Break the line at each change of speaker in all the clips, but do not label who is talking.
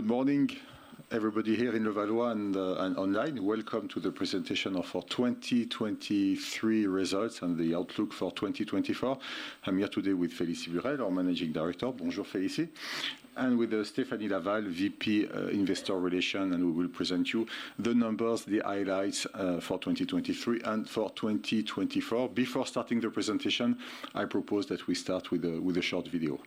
Good morning, everybody here in Levallois and online. Welcome to the presentation of our 2023 results and the outlook for 2024. I'm here today with Félicie Burelle, our Managing Director. Bonjour, Félicie. And with Stéphanie Laval, VP, Investor Relations, and we will present you the numbers, the highlights for 2023 and for 2024. Before starting the presentation, I propose that we start with a short video.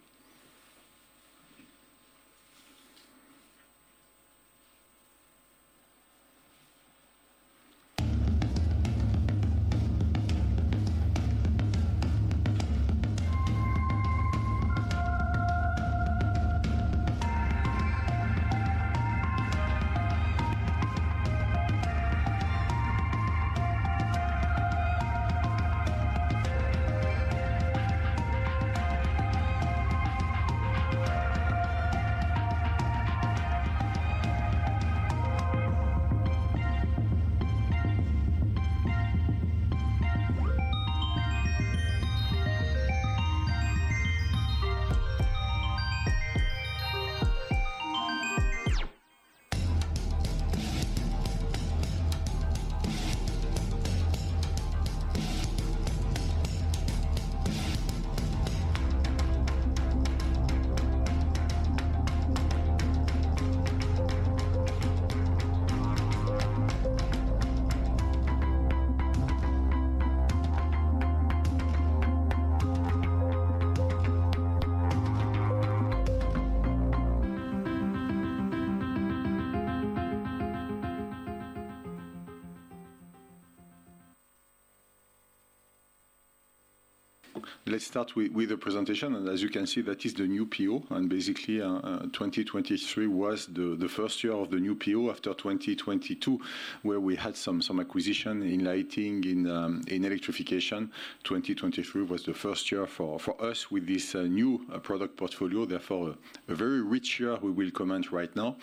Let's start with the presentation. And as you can see, that is the new PO. And basically, 2023 was the first year of the new PO after 2022, where we had some acquisition in lighting, in electrification. 2023 was the first year for us with this new product portfolio. Therefore, a very rich year we will comment right now.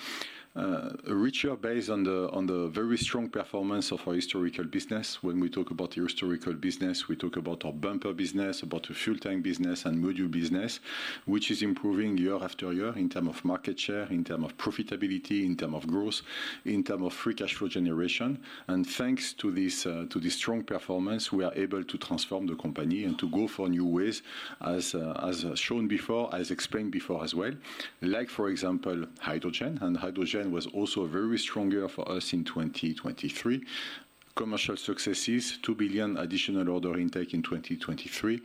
A rich year based on the very strong performance of our historical business. When we talk about historical business, we talk about our bumper business, about the fuel tank business, and module business, which is improving year after year in terms of market share, in terms of profitability, in terms of growth, in terms of free cash flow generation. And thanks to this strong performance, we are able to transform the company and to go for new ways, as shown before, as explained before as well. Like, for example, hydrogen. And hydrogen was also very strong year for us in 2023. Commercial successes: 2 billion additional order intake in 2023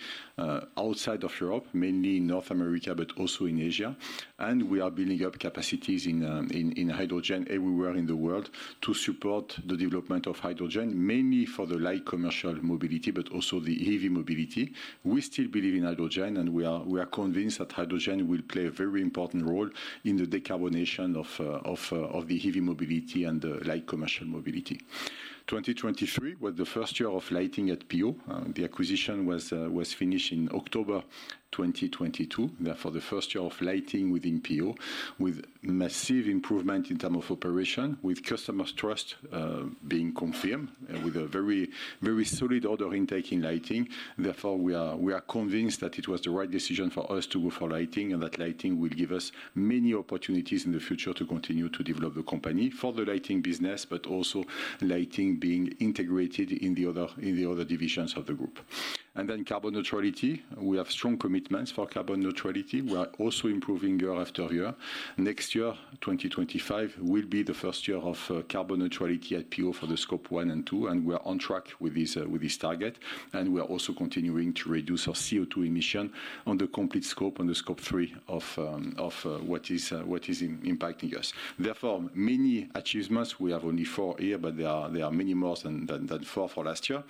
outside of Europe, mainly North America, but also in Asia. And we are building up capacities in hydrogen everywhere in the world to support the development of hydrogen, mainly for the light commercial mobility, but also the heavy mobility. We still believe in hydrogen, and we are convinced that hydrogen will play a very important role in the decarbonization of the heavy mobility and the light commercial mobility. 2023 was the first year of lighting at PO. The acquisition was finished in October 2022. Therefore, the first year of lighting within PO, with massive improvement in terms of operation, with customer trust being confirmed, with a very solid order intake in lighting. Therefore, we are convinced that it was the right decision for us to go for lighting and that lighting will give us many opportunities in the future to continue to develop the company for the lighting business, but also lighting being integrated in the other divisions of the group. Then carbon neutrality. We have strong commitments for carbon neutrality. We are also improving year after year. Next year, 2025, will be the first year of carbon neutrality at PO for the Scope 1 and 2. We are on track with this target. We are also continuing to reduce our CO2 emission on the complete scope, on the Scope 3 of what is impacting us. Therefore, many achievements. We have only four here, but there are many more than four for last year.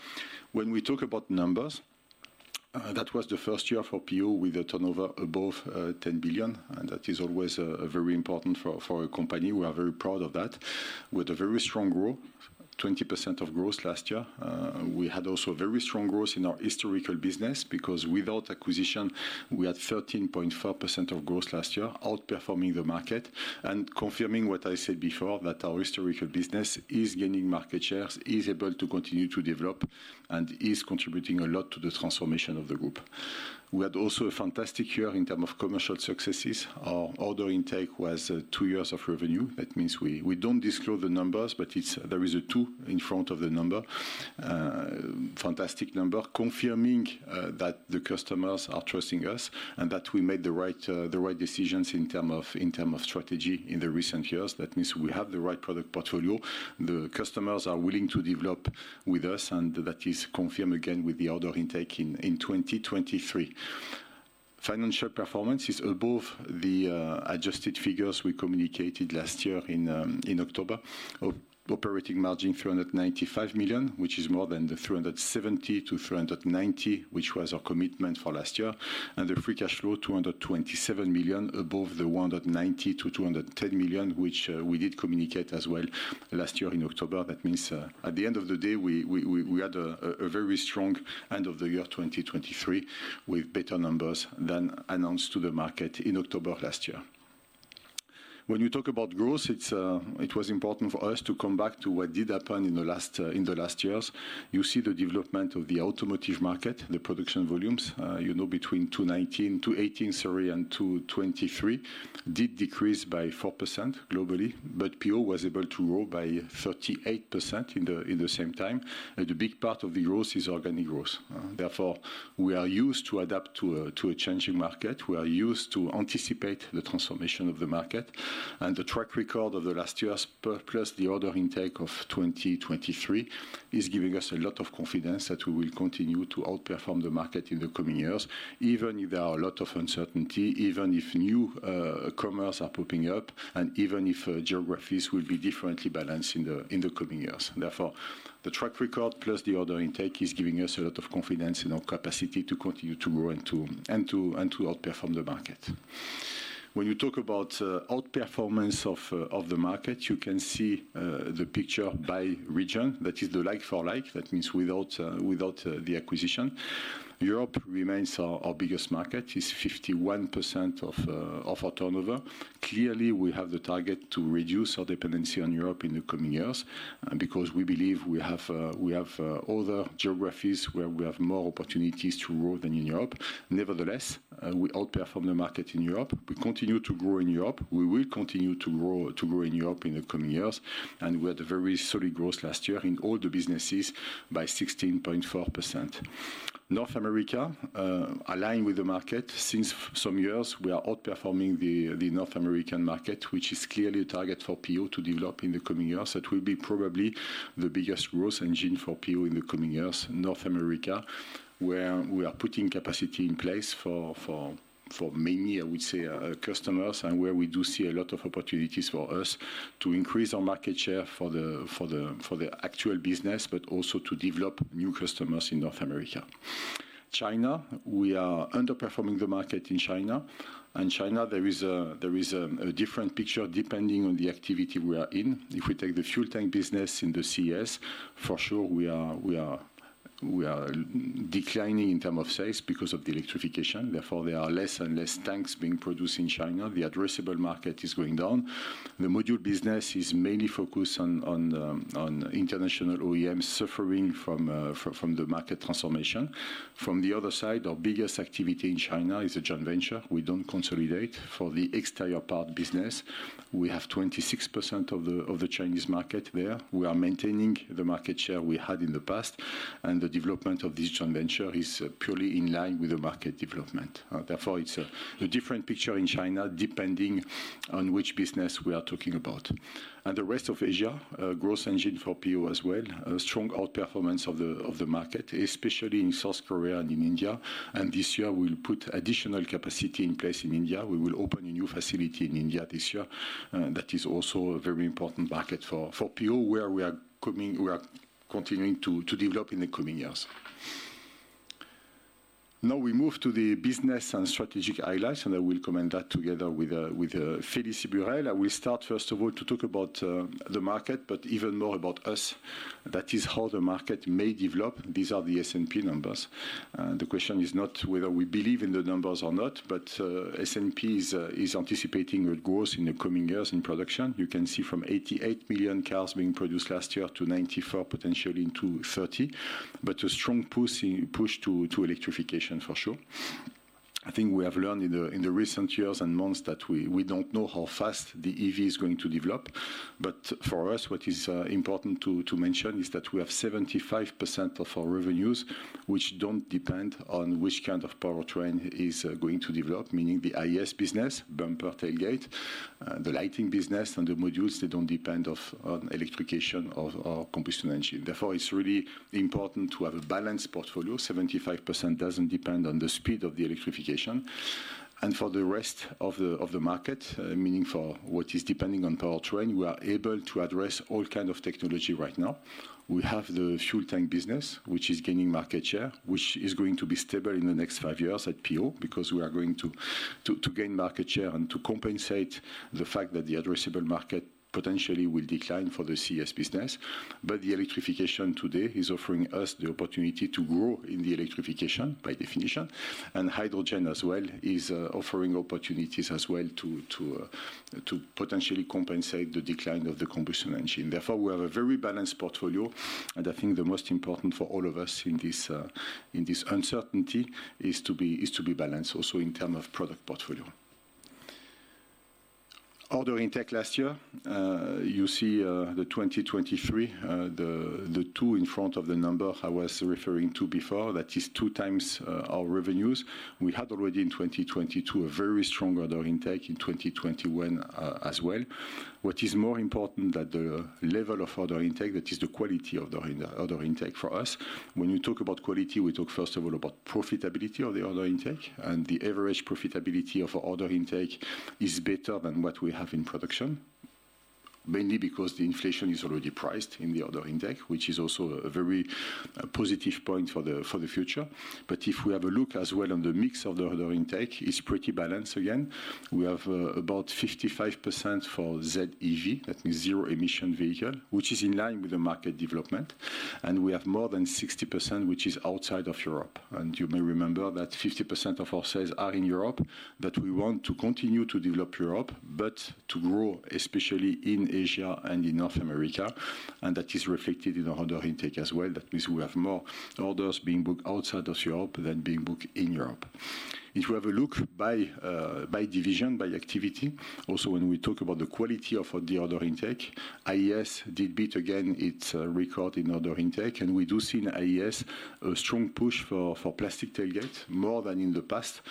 When we talk about numbers, that was the first year for PO with a turnover above 10 billion. That is always very important for a company. We are very proud of that. We had a very strong growth, 20% of growth last year. We had also very strong growth in our historical business because without acquisition, we had 13.4% of growth last year, outperforming the market. Confirming what I said before, that our historical business is gaining market shares, is able to continue to develop, and is contributing a lot to the transformation of the group. We had also a fantastic year in terms of commercial successes. Our order intake was two years of revenue. That means we don't disclose the numbers, but there is a two in front of the number. Fantastic number, confirming that the customers are trusting us and that we made the right decisions in terms of strategy in the recent years. That means we have the right product portfolio. The customers are willing to develop with us, and that is confirmed again with the order intake in 2023. Financial performance is above the adjusted figures we communicated last year in October. Operating margin: 395 million, which is more than the 370 million-390 million, which was our commitment for last year. The free cash flow: 227 million, above the 190 million-210 million, which we did communicate as well last year in October. That means at the end of the day, we had a very strong end of the year 2023 with better numbers than announced to the market in October last year. When we talk about growth, it was important for us to come back to what did happen in the last years. You see the development of the automotive market, the production volumes. Between 2018, sorry, and 2023 did decrease by 4% globally, but PO was able to grow by 38% in the same time. A big part of the growth is organic growth. Therefore, we are used to adapt to a changing market. We are used to anticipate the transformation of the market. The track record of the last years, plus the order intake of 2023, is giving us a lot of confidence that we will continue to outperform the market in the coming years, even if there are a lot of uncertainty, even if newcomers is popping up, and even if geographies will be differently balanced in the coming years. Therefore, the track record plus the order intake is giving us a lot of confidence in our capacity to continue to grow and to outperform the market. When you talk about outperformance of the market, you can see the picture by region. That is the like-for-like. That means without the acquisition, Europe remains our biggest market. It's 51% of our turnover. Clearly, we have the target to reduce our dependency on Europe in the coming years because we believe we have other geographies where we have more opportunities to grow than in Europe. Nevertheless, we outperform the market in Europe. We continue to grow in Europe. We will continue to grow in Europe in the coming years. We had a very solid growth last year in all the businesses by 16.4%. North America, aligned with the market. Since some years, we are outperforming the North American market, which is clearly a target for PO to develop in the coming years. That will be probably the biggest growth engine for PO in the coming years, North America, where we are putting capacity in place for many, I would say, customers and where we do see a lot of opportunities for us to increase our market share for the actual business, but also to develop new customers in North America. China, we are underperforming the market in China. China, there is a different picture depending on the activity we are in. If we take the fuel tank business in the CES, for sure, we are declining in terms of sales because of the electrification. Therefore, there are less and less tanks being produced in China. The addressable market is going down. The module business is mainly focused on international OEMs suffering from the market transformation. From the other side, our biggest activity in China is a joint venture. We don't consolidate. For the exterior part business, we have 26% of the Chinese market there. We are maintaining the market share we had in the past. The development of this joint venture is purely in line with the market development. Therefore, it's a different picture in China depending on which business we are talking about. The rest of Asia, growth engine for PO as well, strong outperformance of the market, especially in South Korea and in India. This year, we will put additional capacity in place in India. We will open a new facility in India this year. That is also a very important market for PO where we are continuing to develop in the coming years. Now we move to the business and strategic highlights, and I will comment that together with Félicie Burelle. I will start, first of all, to talk about the market, but even more about us. That is how the market may develop. These are the S&P numbers. The question is not whether we believe in the numbers or not, but S&P is anticipating growth in the coming years in production. You can see from 88 million cars being produced last year to 94 potentially in 2030, but a strong push to electrification, for sure. I think we have learned in the recent years and months that we don't know how fast the EV is going to develop. But for us, what is important to mention is that we have 75% of our revenues, which don't depend on which kind of powertrain is going to develop, meaning the IES business, bumper, tailgate, the lighting business, and the modules, they don't depend on electrification or combustion engine. Therefore, it's really important to have a balanced portfolio. 75% doesn't depend on the speed of the electrification. For the rest of the market, meaning for what is depending on powertrain, we are able to address all kinds of technology right now. We have the fuel tank business, which is gaining market share, which is going to be stable in the next five years at PO because we are going to gain market share and to compensate the fact that the addressable market potentially will decline for the CES business. But the electrification today is offering us the opportunity to grow in the electrification, by definition. And hydrogen as well is offering opportunities as well to potentially compensate the decline of the combustion engine. Therefore, we have a very balanced portfolio. I think the most important for all of us in this uncertainty is to be balanced, also in terms of product portfolio. Order intake last year, you see the 2023, the two in front of the number I was referring to before. That is 2x our revenues. We had already in 2022 a very strong order intake in 2021 as well. What is more important, that the level of order intake, that is the quality of the order intake for us. When you talk about quality, we talk first of all about profitability of the order intake. And the average profitability of order intake is better than what we have in production, mainly because the inflation is already priced in the order intake, which is also a very positive point for the future. But if we have a look as well on the mix of the order intake, it's pretty balanced again. We have about 55% for ZEV, that means zero emission vehicle, which is in line with the market development. And we have more than 60%, which is outside of Europe. And you may remember that 50% of our sales are in Europe, that we want to continue to develop Europe, but to grow especially in Asia and in North America. And that is reflected in our order intake as well. That means we have more orders being booked outside of Europe than being booked in Europe. If we have a look by division, by activity, also when we talk about the quality of the order intake, IES did beat again its record in order intake. We do see in IES a strong push for plastic tailgate, more than in the past.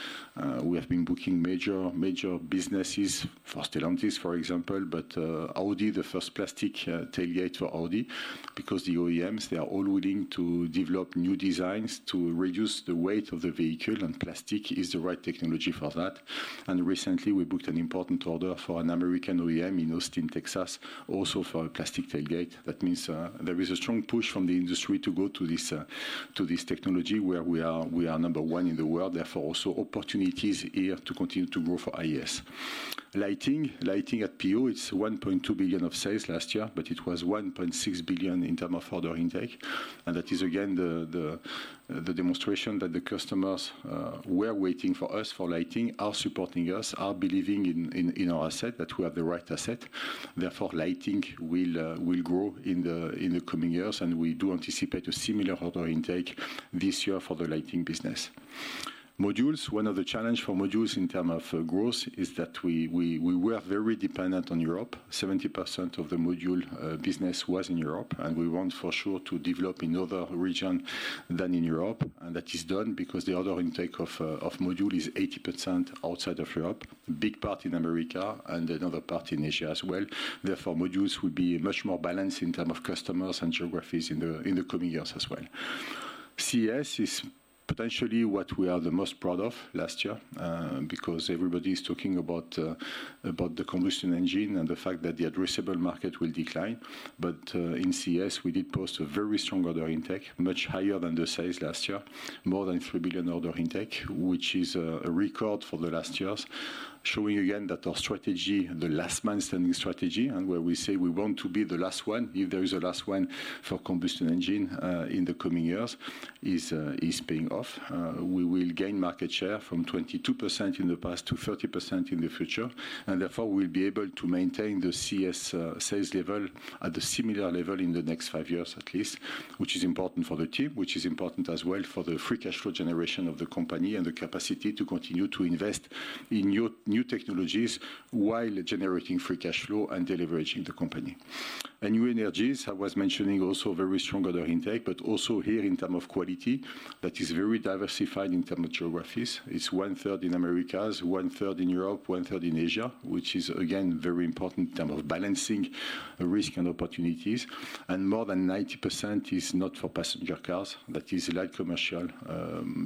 We have been booking major businesses for Stellantis, for example, but Audi, the first plastic tailgate for Audi. Because the OEMs, they are all willing to develop new designs to reduce the weight of the vehicle, and plastic is the right technology for that. Recently, we booked an important order for an American OEM in Austin, Texas, also for a plastic tailgate. That means there is a strong push from the industry to go to this technology where we are number one in the world. Therefore, also opportunities here to continue to grow for IES. Lighting at PO, it's 1.2 billion of sales last year, but it was 1.6 billion in terms of order intake. That is again the demonstration that the customers were waiting for us for Lighting, are supporting us, are believing in our asset, that we have the right asset. Therefore, Lighting will grow in the coming years, and we do anticipate a similar order intake this year for the Lighting business. Modules, one of the challenges for Modules in terms of growth is that we were very dependent on Europe. 70% of the module business was in Europe, and we want for sure to develop in other regions than in Europe. That is done because the order intake of module is 80% outside of Europe, a big part in America and another part in Asia as well. Therefore, Modules will be much more balanced in terms of customers and geographies in the coming years as well. CES is potentially what we are the most proud of last year because everybody is talking about the combustion engine and the fact that the addressable market will decline. But in CES, we did post a very strong order intake, much higher than the sales last year, more than 3 billion order intake, which is a record for the last years. Showing again that our strategy, the last man-standing strategy, and where we say we want to be the last one, if there is a last one for combustion engine in the coming years, is paying off. We will gain market share from 22% in the past to 30% in the future. Therefore, we will be able to maintain the CES sales level at a similar level in the next five years at least, which is important for the team, which is important as well for the free cash flow generation of the company and the capacity to continue to invest in new technologies while generating free cash flow and deleveraging the company. New energies, I was mentioning also a very strong order intake, but also here in terms of quality, that is very diversified in terms of geographies. It's one-third in America, one-third in Europe, one-third in Asia, which is again very important in terms of balancing risk and opportunities. More than 90% is not for passenger cars. That is light commercial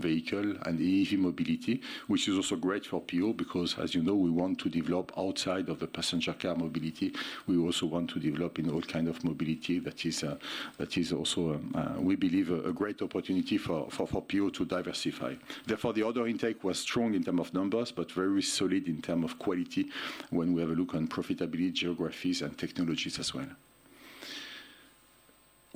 vehicle and EV mobility, which is also great for PO because, as you know, we want to develop outside of the passenger car mobility. We also want to develop in all kinds of mobility that is also, we believe, a great opportunity for PO to diversify. Therefore, the order intake was strong in terms of numbers, but very solid in terms of quality when we have a look on profitability, geographies, and technologies as well.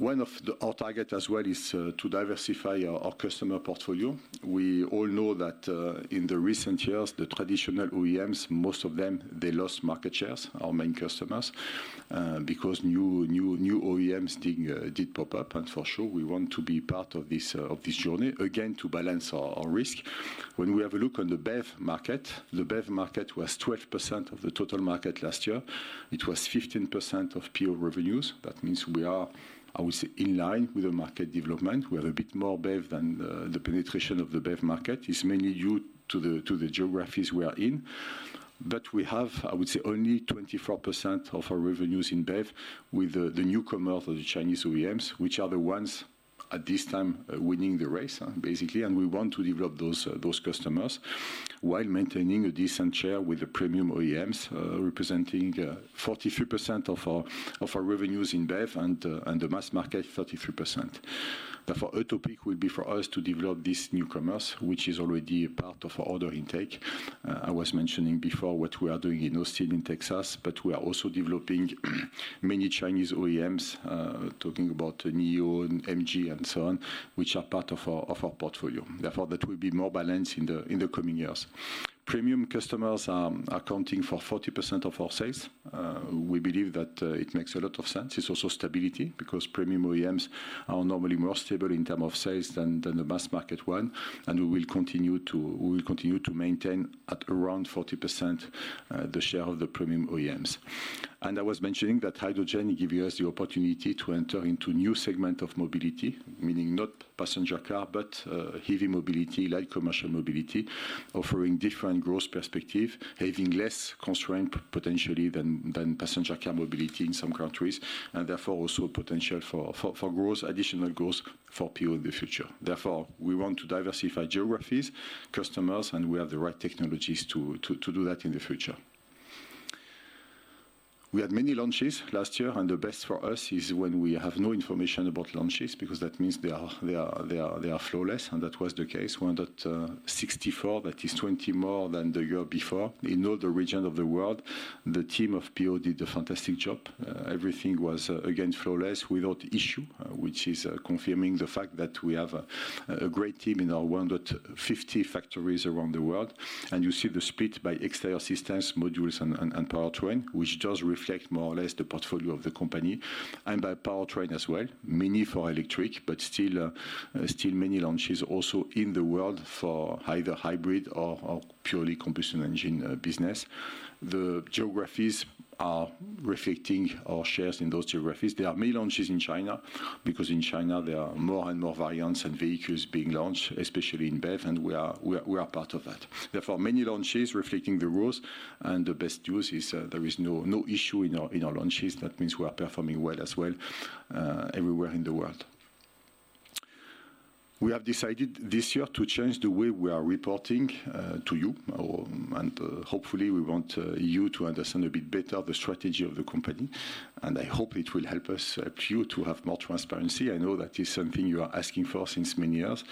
One of our targets as well is to diversify our customer portfolio. We all know that in the recent years, the traditional OEMs, most of them, they lost market shares, our main customers, because new OEMs did pop up. For sure, we want to be part of this journey, again, to balance our risk. When we have a look on the BEV market, the BEV market was 12% of the total market last year. It was 15% of PO revenues. That means we are, I would say, in line with the market development. We have a bit more BEV than the penetration of the BEV market. It's mainly due to the geographies we are in. But we have, I would say, only 24% of our revenues in BEV with the newcomers, the Chinese OEMs, which are the ones at this time winning the race, basically. And we want to develop those customers while maintaining a decent share with the premium OEMs representing 43% of our revenues in BEV and the mass market 33%. Therefore, a topic will be for us to develop this newcomers, which is already a part of our order intake. I was mentioning before what we are doing in Austin, Texas, but we are also developing many Chinese OEMs, talking about NIO, MG, and so on, which are part of our portfolio. Therefore, that will be more balanced in the coming years. Premium customers are accounting for 40% of our sales. We believe that it makes a lot of sense. It's also stability because premium OEMs are normally more stable in terms of sales than the mass market one. We will continue to maintain at around 40% the share of the premium OEMs. I was mentioning that hydrogen, it gives us the opportunity to enter into a new segment of mobility, meaning not passenger car, but heavy mobility, light commercial mobility, offering different growth perspectives, having less constraints potentially than passenger car mobility in some countries. Therefore, also a potential for additional growth for PO in the future. Therefore, we want to diversify geographies, customers, and we have the right technologies to do that in the future. We had many launches last year, and the best for us is when we have no information about launches because that means they are flawless. That was the case. We had 64, that is 20 more than the year before. In all the regions of the world, the team of PO did a fantastic job. Everything was again flawless without issue, which is confirming the fact that we have a great team in our 150 factories around the world. You see the split by exterior systems, modules, and powertrain, which does reflect more or less the portfolio of the company. By powertrain as well, many for electric, but still many launches also in the world for either hybrid or purely combustion engine business. The geographies are reflecting our shares in those geographies. There are many launches in China because in China, there are more and more variants and vehicles being launched, especially in BEV, and we are part of that. Therefore, many launches reflecting the rules. And the best news is there is no issue in our launches. That means we are performing well as well everywhere in the world. We have decided this year to change the way we are reporting to you. And hopefully, we want you to understand a bit better the strategy of the company. And I hope it will help us help you to have more transparency. I know that is something you are asking for since many years.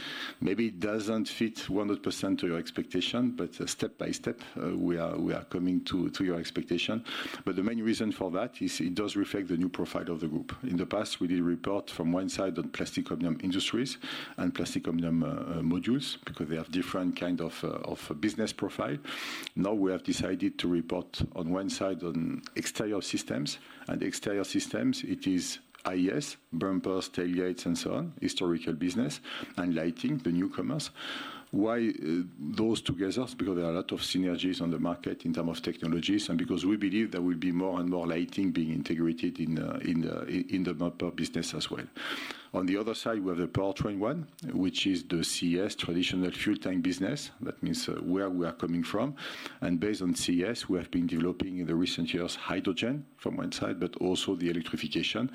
Maybe it doesn't fit 100% to your expectation, but step by step, we are coming to your expectation. But the main reason for that is it does reflect the new profile of the group. In the past, we did report from one side on Plastic Omnium Industries and Plastic Omnium Modules because they have different kinds of business profile. Now, we have decided to report on one side on exterior systems. And exterior systems, it is IES, bumpers, tailgates, and so on, historical business. And lighting, the newcomers. Why those together? Because there are a lot of synergies on the market in terms of technologies and because we believe there will be more and more lighting being integrated in the bumper business as well. On the other side, we have the powertrain one, which is the CES, traditional fuel tank business. That means where we are coming from. And based on CES, we have been developing in the recent years hydrogen from one side, but also the electrification.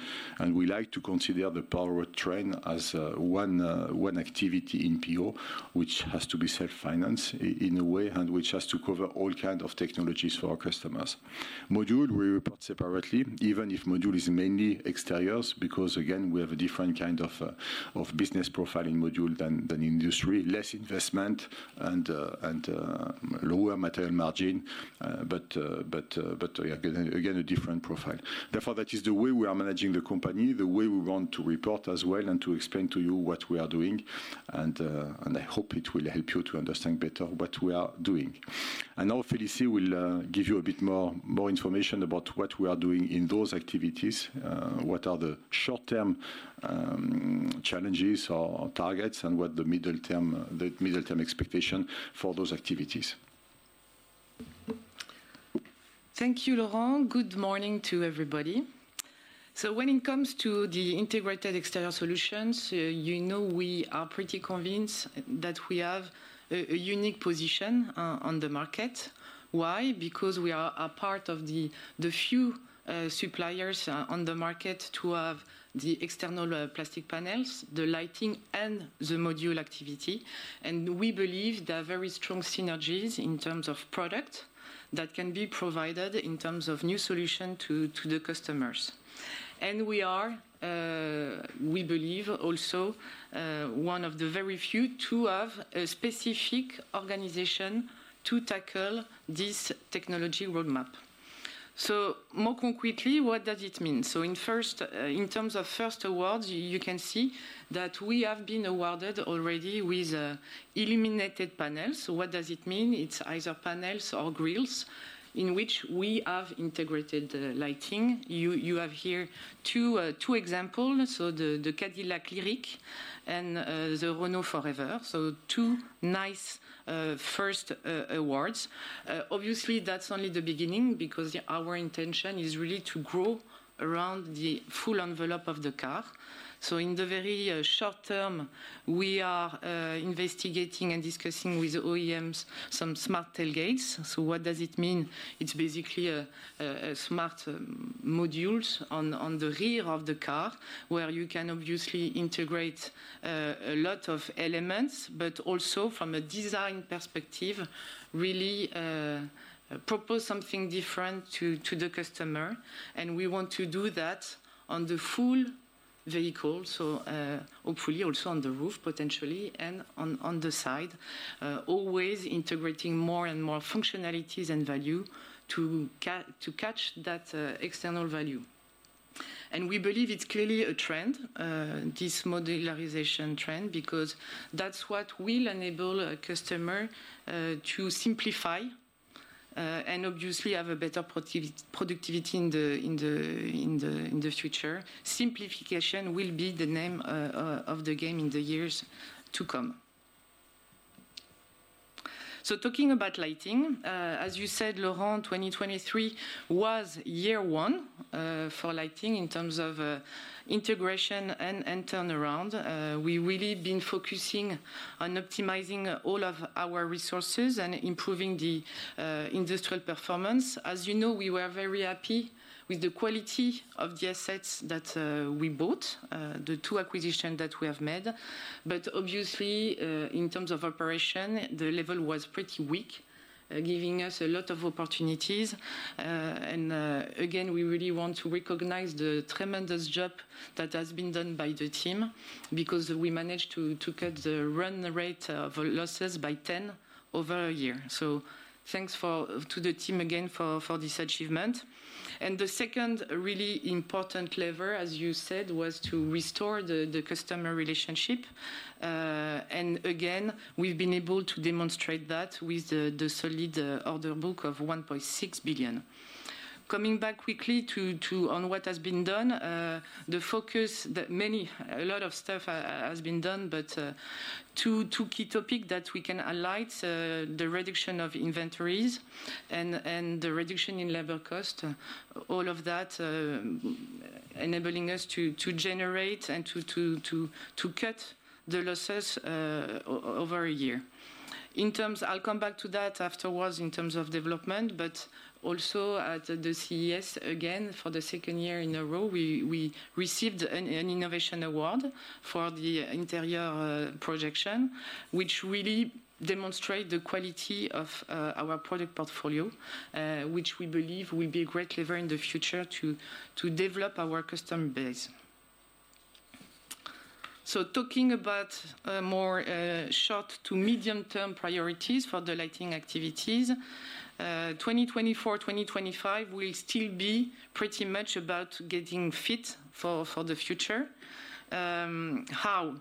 We like to consider the powertrain as one activity in PO, which has to be self-financed in a way and which has to cover all kinds of technologies for our customers. Module, we report separately, even if module is mainly exteriors because, again, we have a different kind of business profile in module than in industry, less investment and lower material margin. But again, a different profile. Therefore, that is the way we are managing the company, the way we want to report as well and to explain to you what we are doing. I hope it will help you to understand better what we are doing. Now, Félicie will give you a bit more information about what we are doing in those activities, what are the short-term challenges or targets and what the middle-term expectation for those activities.
Thank you, Laurent. Good morning to everybody. So when it comes to the integrated exterior solutions, you know we are pretty convinced that we have a unique position on the market. Why? Because we are a part of the few suppliers on the market to have the external plastic panels, the lighting, and the module activity. And we believe there are very strong synergies in terms of product that can be provided in terms of new solutions to the customers. And we are, we believe also, one of the very few to have a specific organization to tackle this technology roadmap. So more concretely, what does it mean? So in terms of first awards, you can see that we have been awarded already with illuminated panels. So what does it mean? It's either panels or grilles in which we have integrated lighting. You have here two examples, so the Cadillac LYRIQ and the Renault 4EVER. Two nice first awards. Obviously, that's only the beginning because our intention is really to grow around the full envelope of the car. In the very short term, we are investigating and discussing with OEMs some smart tailgates. What does it mean? It's basically smart modules on the rear of the car where you can obviously integrate a lot of elements, but also from a design perspective, really propose something different to the customer. And we want to do that on the full vehicle, so hopefully also on the roof potentially and on the side, always integrating more and more functionalities and value to catch that external value. And we believe it's clearly a trend, this modularization trend, because that's what will enable a customer to simplify and obviously have a better productivity in the future. Simplification will be the name of the game in the years to come. So talking about lighting, as you said, Laurent, 2023 was year one for lighting in terms of integration and turnaround. We've really been focusing on optimizing all of our resources and improving the industrial performance. As you know, we were very happy with the quality of the assets that we bought, the two acquisitions that we have made. But obviously, in terms of operation, the level was pretty weak, giving us a lot of opportunities. And again, we really want to recognize the tremendous job that has been done by the team because we managed to cut the run rate of losses by 10 over a year. So thanks to the team again for this achievement. And the second really important lever, as you said, was to restore the customer relationship. And again, we've been able to demonstrate that with the solid order book of 1.6 billion. Coming back quickly on what has been done, the focus, a lot of stuff has been done, but two key topics that we can highlight: the reduction of inventories and the reduction in labor cost, all of that enabling us to generate and to cut the losses over a year. I'll come back to that afterwards in terms of development, but also at the CES, again, for the second year in a row, we received an innovation award for the interior projection, which really demonstrated the quality of our product portfolio, which we believe will be a great lever in the future to develop our customer base. Talking about more short to medium-term priorities for the lighting activities, 2024-2025 will still be pretty much about getting fit for the future. How?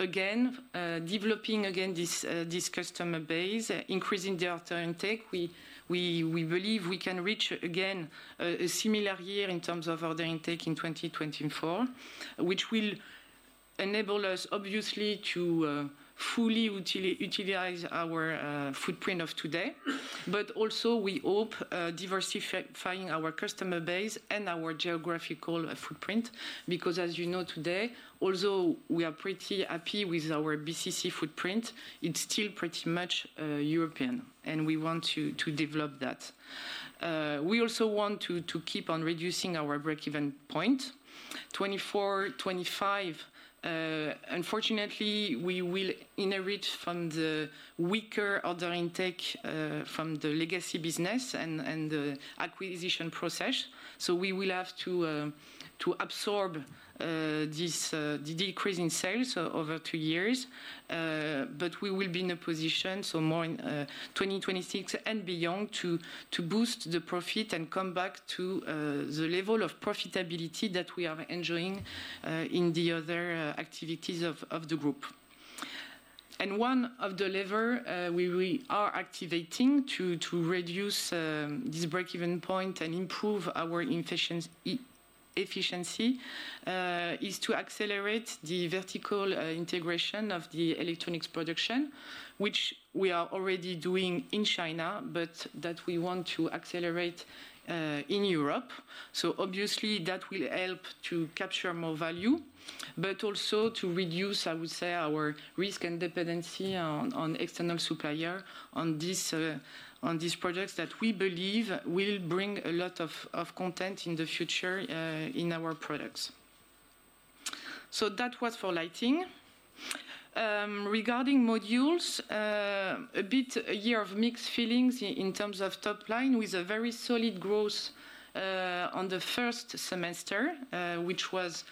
Again, developing again this customer base, increasing the order intake. We believe we can reach again a similar year in terms of order intake in 2024, which will enable us, obviously, to fully utilize our footprint of today. But also, we hope diversifying our customer base and our geographical footprint because, as you know today, although we are pretty happy with our BCC footprint, it's still pretty much European, and we want to develop that. We also want to keep on reducing our breakeven point. 2024-2025, unfortunately, we will inherit from the weaker order intake from the legacy business and the acquisition process. So we will have to absorb the decrease in sales over two years. But we will be in a position, so more in 2026 and beyond, to boost the profit and come back to the level of profitability that we are enjoying in the other activities of the group. One of the levers we are activating to reduce this breakeven point and improve our efficiency is to accelerate the vertical integration of the electronics production, which we are already doing in China, but that we want to accelerate in Europe. Obviously, that will help to capture more value, but also to reduce, I would say, our risk and dependency on external suppliers on these projects that we believe will bring a lot of content in the future in our products. That was for lighting. Regarding modules, a bit of a year of mixed feelings in terms of top line with a very solid growth in the first semester, which was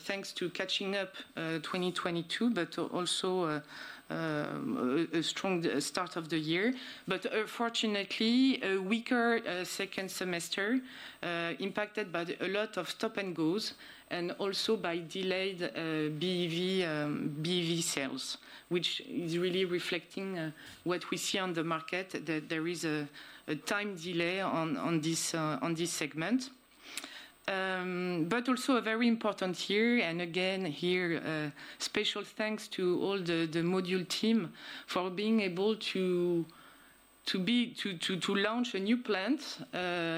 thanks to catching up 2022, but also a strong start of the year. Fortunately, a weaker second semester impacted by a lot of stop-and-goes and also by delayed BEV sales, which is really reflecting what we see on the market, that there is a time delay on this segment. Also a very important year, and again here, special thanks to all the module team for being able to launch a new plant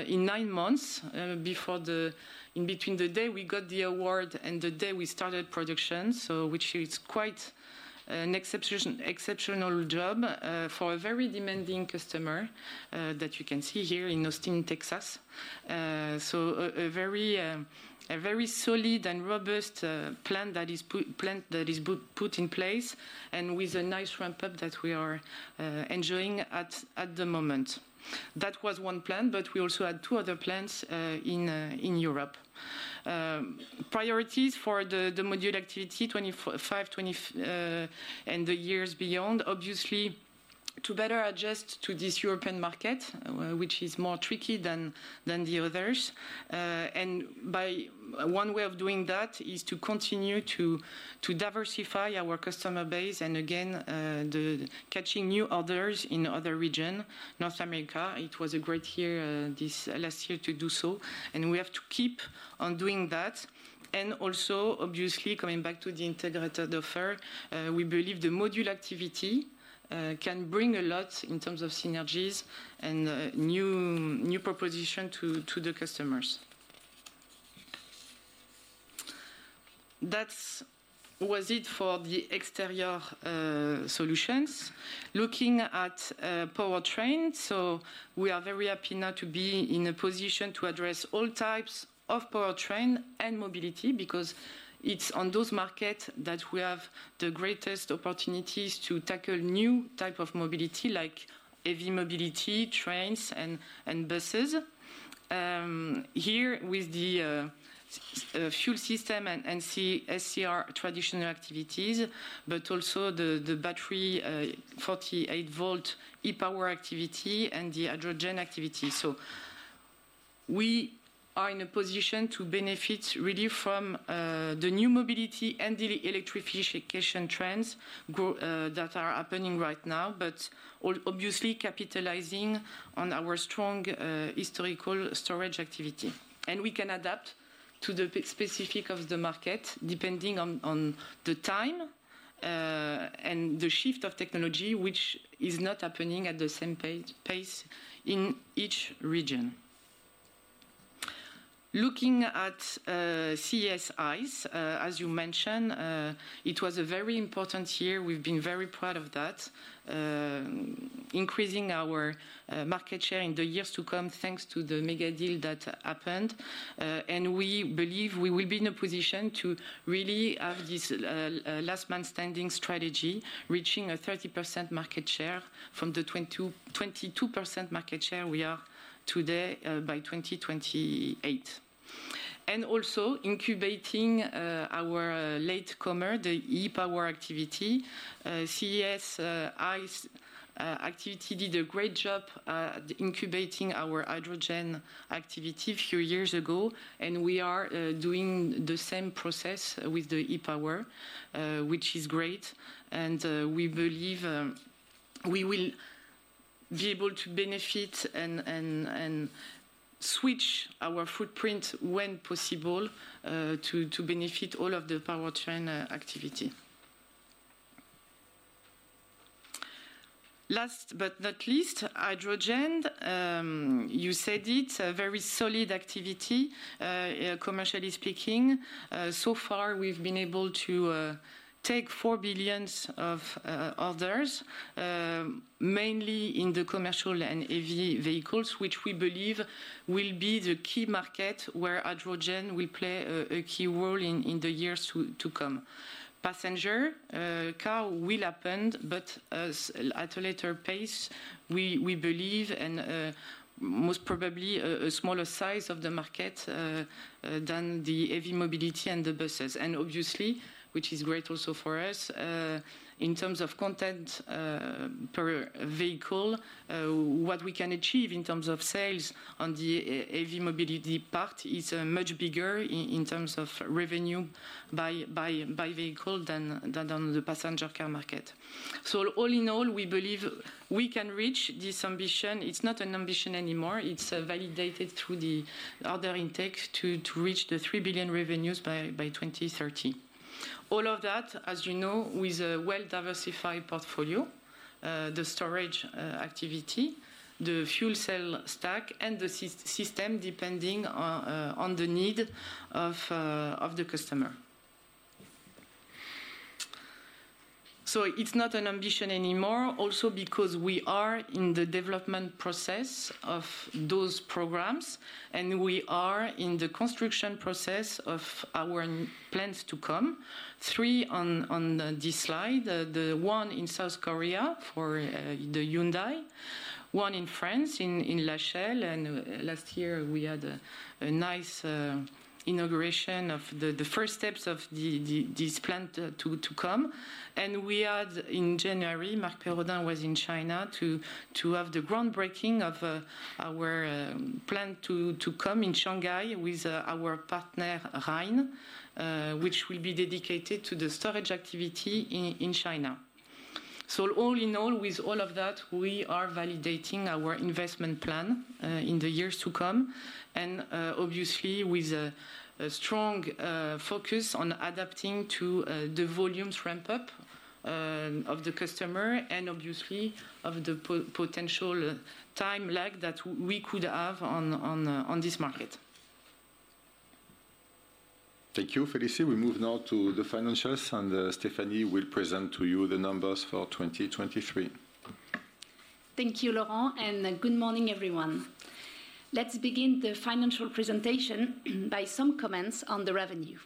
in 9 months in between the day we got the award and the day we started production, which is quite an exceptional job for a very demanding customer that you can see here in Austin, Texas. So, a very solid and robust plant that is put in place and with a nice ramp-up that we are enjoying at the moment. That was one plant, but we also had two other plants in Europe. Priorities for the module activity 2025 and the years beyond, obviously, to better adjust to this European market, which is more tricky than the others. One way of doing that is to continue to diversify our customer base and again, catching new orders in other regions, North America. It was a great year last year to do so. We have to keep on doing that. Also, obviously, coming back to the integrated offer, we believe the module activity can bring a lot in terms of synergies and new propositions to the customers. That was it for the exterior solutions. Looking at powertrain, so we are very happy now to be in a position to address all types of powertrain and mobility because it's on those markets that we have the greatest opportunities to tackle new types of mobility like heavy mobility, trains, and buses. Here with the fuel system and SCR traditional activities, but also the battery 48-volt e-Power activity and the hydrogen activity. So we are in a position to benefit really from the new mobility and the electrification trends that are happening right now, but obviously capitalizing on our strong historical storage activity. And we can adapt to the specifics of the market depending on the time and the shift of technology, which is not happening at the same pace in each region. Looking at CES, IES, as you mentioned, it was a very important year. We've been very proud of that, increasing our market share in the years to come thanks to the mega deal that happened. We believe we will be in a position to really have this last-man-standing strategy, reaching a 30% market share from the 22% market share we are today by 2028. Also incubating our latecomer, the e-Power activity. CES, IES activity did a great job incubating our hydrogen activity a few years ago. We are doing the same process with the e-Power, which is great. We believe we will be able to benefit and switch our footprint when possible to benefit all of the powertrain activity. Last but not least, hydrogen. You said it's a very solid activity, commercially speaking. So far, we've been able to take 4 billion of orders, mainly in the commercial and heavy vehicles, which we believe will be the key market where hydrogen will play a key role in the years to come. Passenger car will happen, but at a later pace, we believe, and most probably a smaller size of the market than the heavy mobility and the buses. And obviously, which is great also for us, in terms of content per vehicle, what we can achieve in terms of sales on the heavy mobility part is much bigger in terms of revenue by vehicle than on the passenger car market. So all in all, we believe we can reach this ambition. It's not an ambition anymore. It's validated through the order intake to reach the 3 billion revenues by 2030. All of that, as you know, with a well-diversified portfolio, the storage activity, the fuel cell stack, and the system depending on the need of the customer. So it's not an ambition anymore, also because we are in the development process of those programs, and we are in the construction process of our plants to come. Three on this slide. The one in South Korea for the Hyundai, one in France in Lachelle. And last year, we had a nice inauguration of the first steps of this plant to come. And we had, in January, Marc Perraudin was in China to have the groundbreaking of our plant to come in Shanghai with our partner Rein, which will be dedicated to the storage activity in China. So all in all, with all of that, we are validating our investment plan in the years to come. And obviously, with a strong focus on adapting to the volume ramp-up of the customer and obviously of the potential time lag that we could have on this market.
Thank you, Félicie. We move now to the financials, and Stéphanie will present to you the numbers for 2023.
Thank you, Laurent, and good morning, everyone. Let's begin the financial presentation by some comments on the revenue.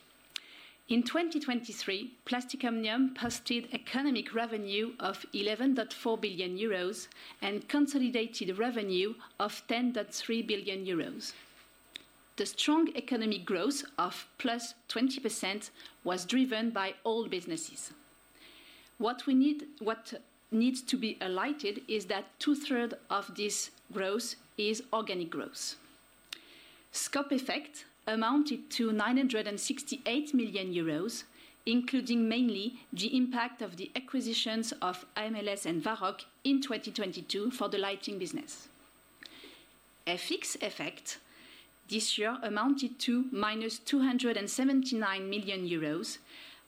In 2023, Plastic Omnium posted economic revenue of 11.4 billion euros and consolidated revenue of 10.3 billion euros. The strong economic growth of +20% was driven by all businesses. What needs to be highlighted is that two-thirds of this growth is organic growth. Scope effect amounted to 968 million euros, including mainly the impact of the acquisitions of AMLS and Varroc in 2022 for the lighting business. FX effect this year amounted to -279 million euros,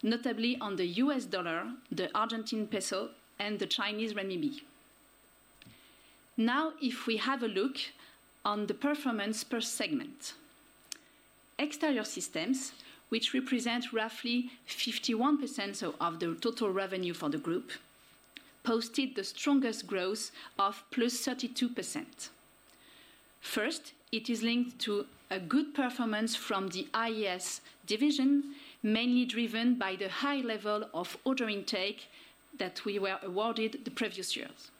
notably on the US dollar, the Argentine peso, and the Chinese renminbi. Now, if we have a look on the performance per segment, exterior systems, which represent roughly 51% of the total revenue for the group, posted the strongest growth of +32%. First, it is linked to a good performance from the IES division, mainly driven by the high level of order intake that we were awarded the previous years.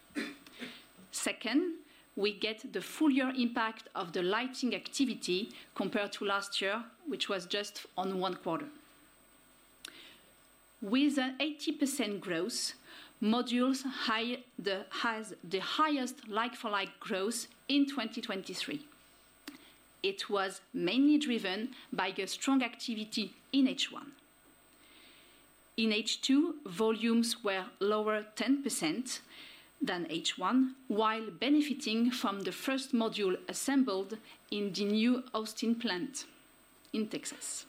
Second, we get the full-year impact of the lighting activity compared to last year, which was just on one quarter. With an 80% growth, modules have the highest like-for-like growth in 2023. It was mainly driven by the strong activity in H1. In H2, volumes were lower 10% than H1, while benefiting from the first module assembled in the new Austin plant in Texas.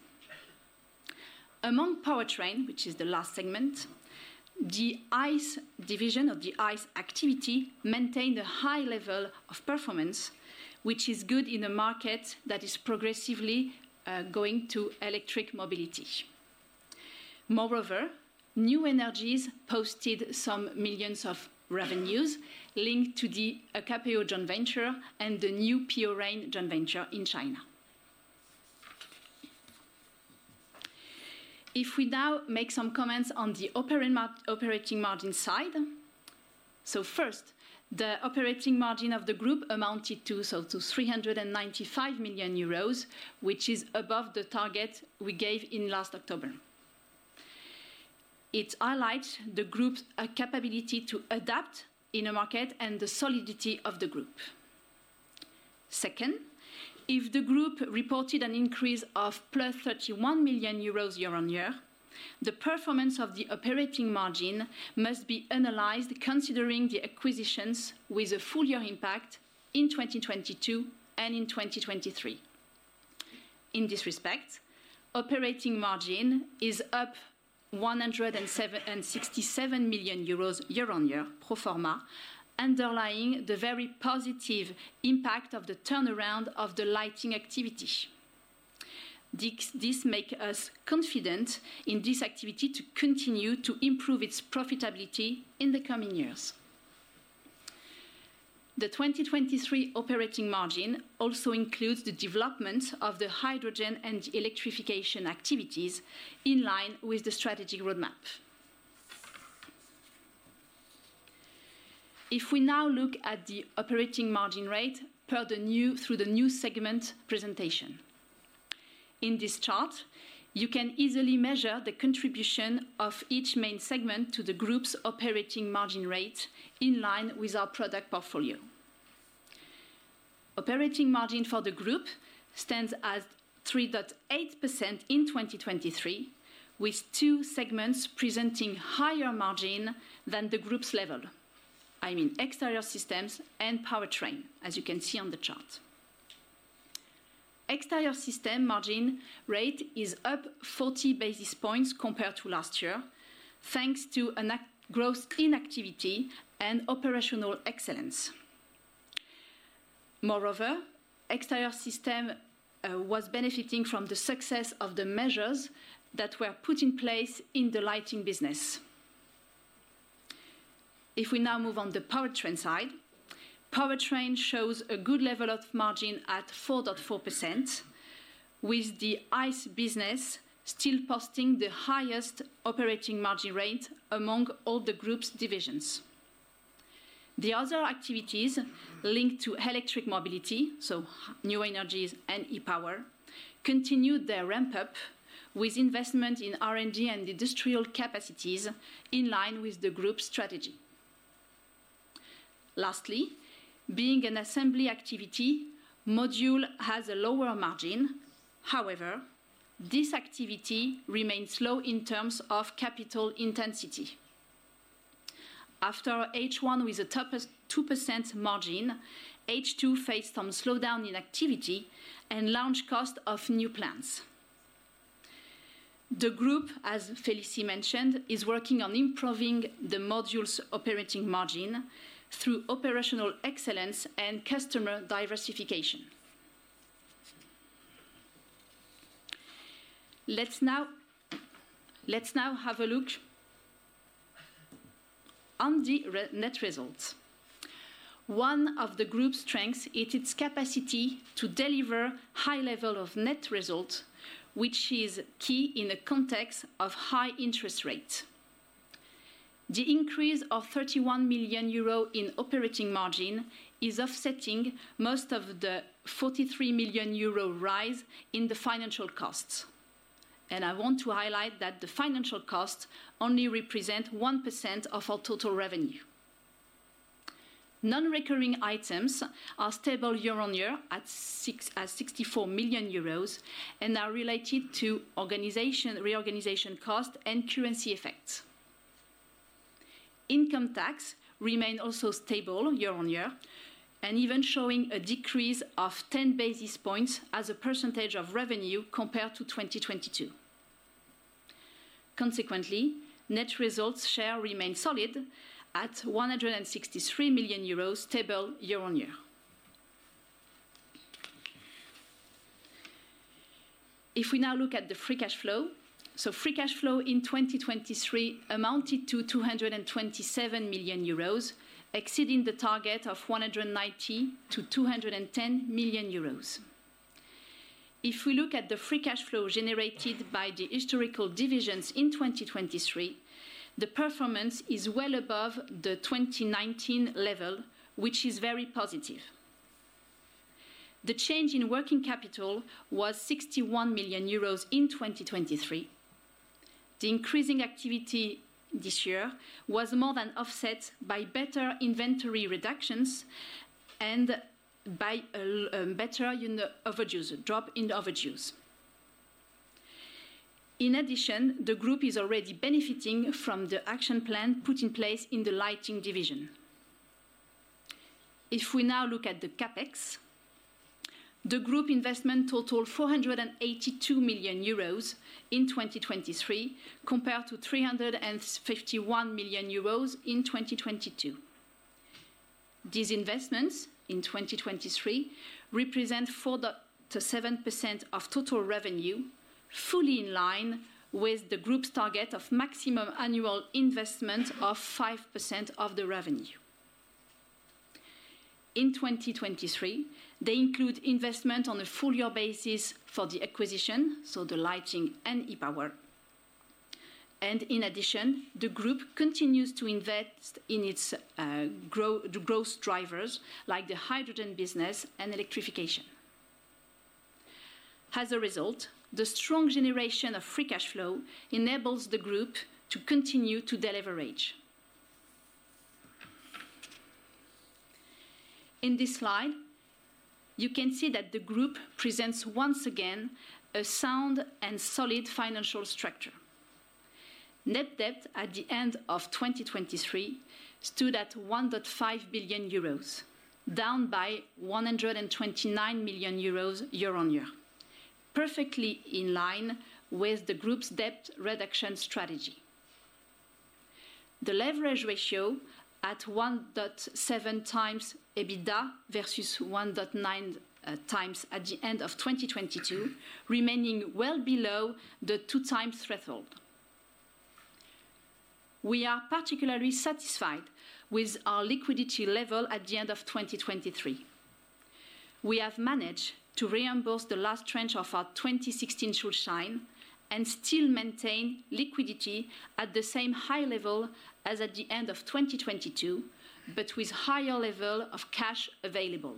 Among powertrain, which is the last segment, the IES division or the IES activity maintained a high level of performance, which is good in a market that is progressively going to electric mobility. Moreover, New Energies posted some millions in revenues linked to the EKPO Joint Venture and the new PO Rein Joint Venture in China. If we now make some comments on the operating margin side, so first, the operating margin of the group amounted to 395 million euros, which is above the target we gave in last October. It highlights the group's capability to adapt in a market and the solidity of the group. Second, if the group reported an increase of +31 million euros year-on-year, the performance of the operating margin must be analyzed considering the acquisitions with a full-year impact in 2022 and in 2023. In this respect, operating margin is up 167 million euros year-on-year, pro forma, underlying the very positive impact of the turnaround of the lighting activity. This makes us confident in this activity to continue to improve its profitability in the coming years. The 2023 operating margin also includes the development of the hydrogen and electrification activities in line with the strategic roadmap. If we now look at the operating margin rate through the new segment presentation. In this chart, you can easily measure the contribution of each main segment to the group's operating margin rate in line with our product portfolio. Operating margin for the group stands at 3.8% in 2023, with two segments presenting higher margin than the group's level. I mean Exterior Systems and Powertrain, as you can see on the chart. Exterior Systems margin rate is up 40 basis points compared to last year, thanks to growth in activity and operational excellence. Moreover, Exterior Systems was benefiting from the success of the measures that were put in place in the lighting business. If we now move on the Powertrain side, Powertrain shows a good level of margin at 4.4%, with the IES business still posting the highest operating margin rate among all the group's divisions. The other activities linked to electric mobility, so New Energies and e-Power, continue their ramp-up with investment in R&D and industrial capacities in line with the group's strategy. Lastly, being an assembly activity, module has a lower margin. However, this activity remains slow in terms of capital intensity. After H1 with a top 2% margin, H2 faced some slowdown in activity and launch cost of new plants. The group, as Félicie mentioned, is working on improving the module's operating margin through operational excellence and customer diversification. Let's now have a look on the net results. One of the group's strengths is its capacity to deliver a high level of net result, which is key in a context of high interest rates. The increase of 31 million euro in operating margin is offsetting most of the 43 million euro rise in the financial costs. I want to highlight that the financial costs only represent 1% of our total revenue. Non-recurring items are stable year-on-year at 64 million euros and are related to reorganization costs and currency effects. Income tax remains also stable year-on-year and even showing a decrease of 10 basis points as a percentage of revenue compared to 2022. Consequently, net results share remain solid at 163 million euros stable year-on-year. If we now look at the free cash flow, so free cash flow in 2023 amounted to 227 million euros, exceeding the target of 190 million-210 million euros. If we look at the free cash flow generated by the historical divisions in 2023, the performance is well above the 2019 level, which is very positive. The change in working capital was 61 million euros in 2023. The increasing activity this year was more than offset by better inventory reductions and by a better overdue, a drop in overdues. In addition, the group is already benefiting from the action plan put in place in the lighting division. If we now look at the CapEx, the group investment totaled 482 million euros in 2023 compared to 351 million euros in 2022. These investments in 2023 represent 4.7% of total revenue, fully in line with the group's target of maximum annual investment of 5% of the revenue. In 2023, they include investment on a full-year basis for the acquisition, so the lighting and e-Power. And in addition, the group continues to invest in its growth drivers like the hydrogen business and electrification. As a result, the strong generation of free cash flow enables the group to continue to deliverage. In this slide, you can see that the group presents once again a sound and solid financial structure. Net debt at the end of 2023 stood at 1.5 billion euros, down by 129 million euros year on year, perfectly in line with the group's debt reduction strategy. The leverage ratio at 1.7x EBITDA versus 1.9x at the end of 2022, remaining well below the 2x threshold. We are particularly satisfied with our liquidity level at the end of 2023. We have managed to reimburse the last tranche of our 2016 Schuldschein and still maintain liquidity at the same high level as at the end of 2022, but with a higher level of cash available.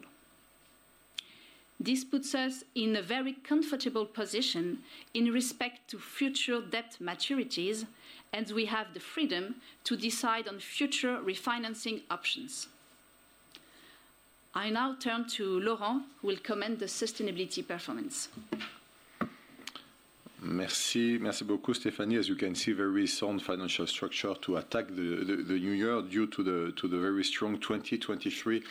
This puts us in a very comfortable position in respect to future debt maturities, and we have the freedom to decide on future refinancing options. I now turn to Laurent, who will comment on the sustainability performance.
Merci beaucoup, Stéphanie. As you can see, a very sound financial structure to attack the New Year due to the very strong 2023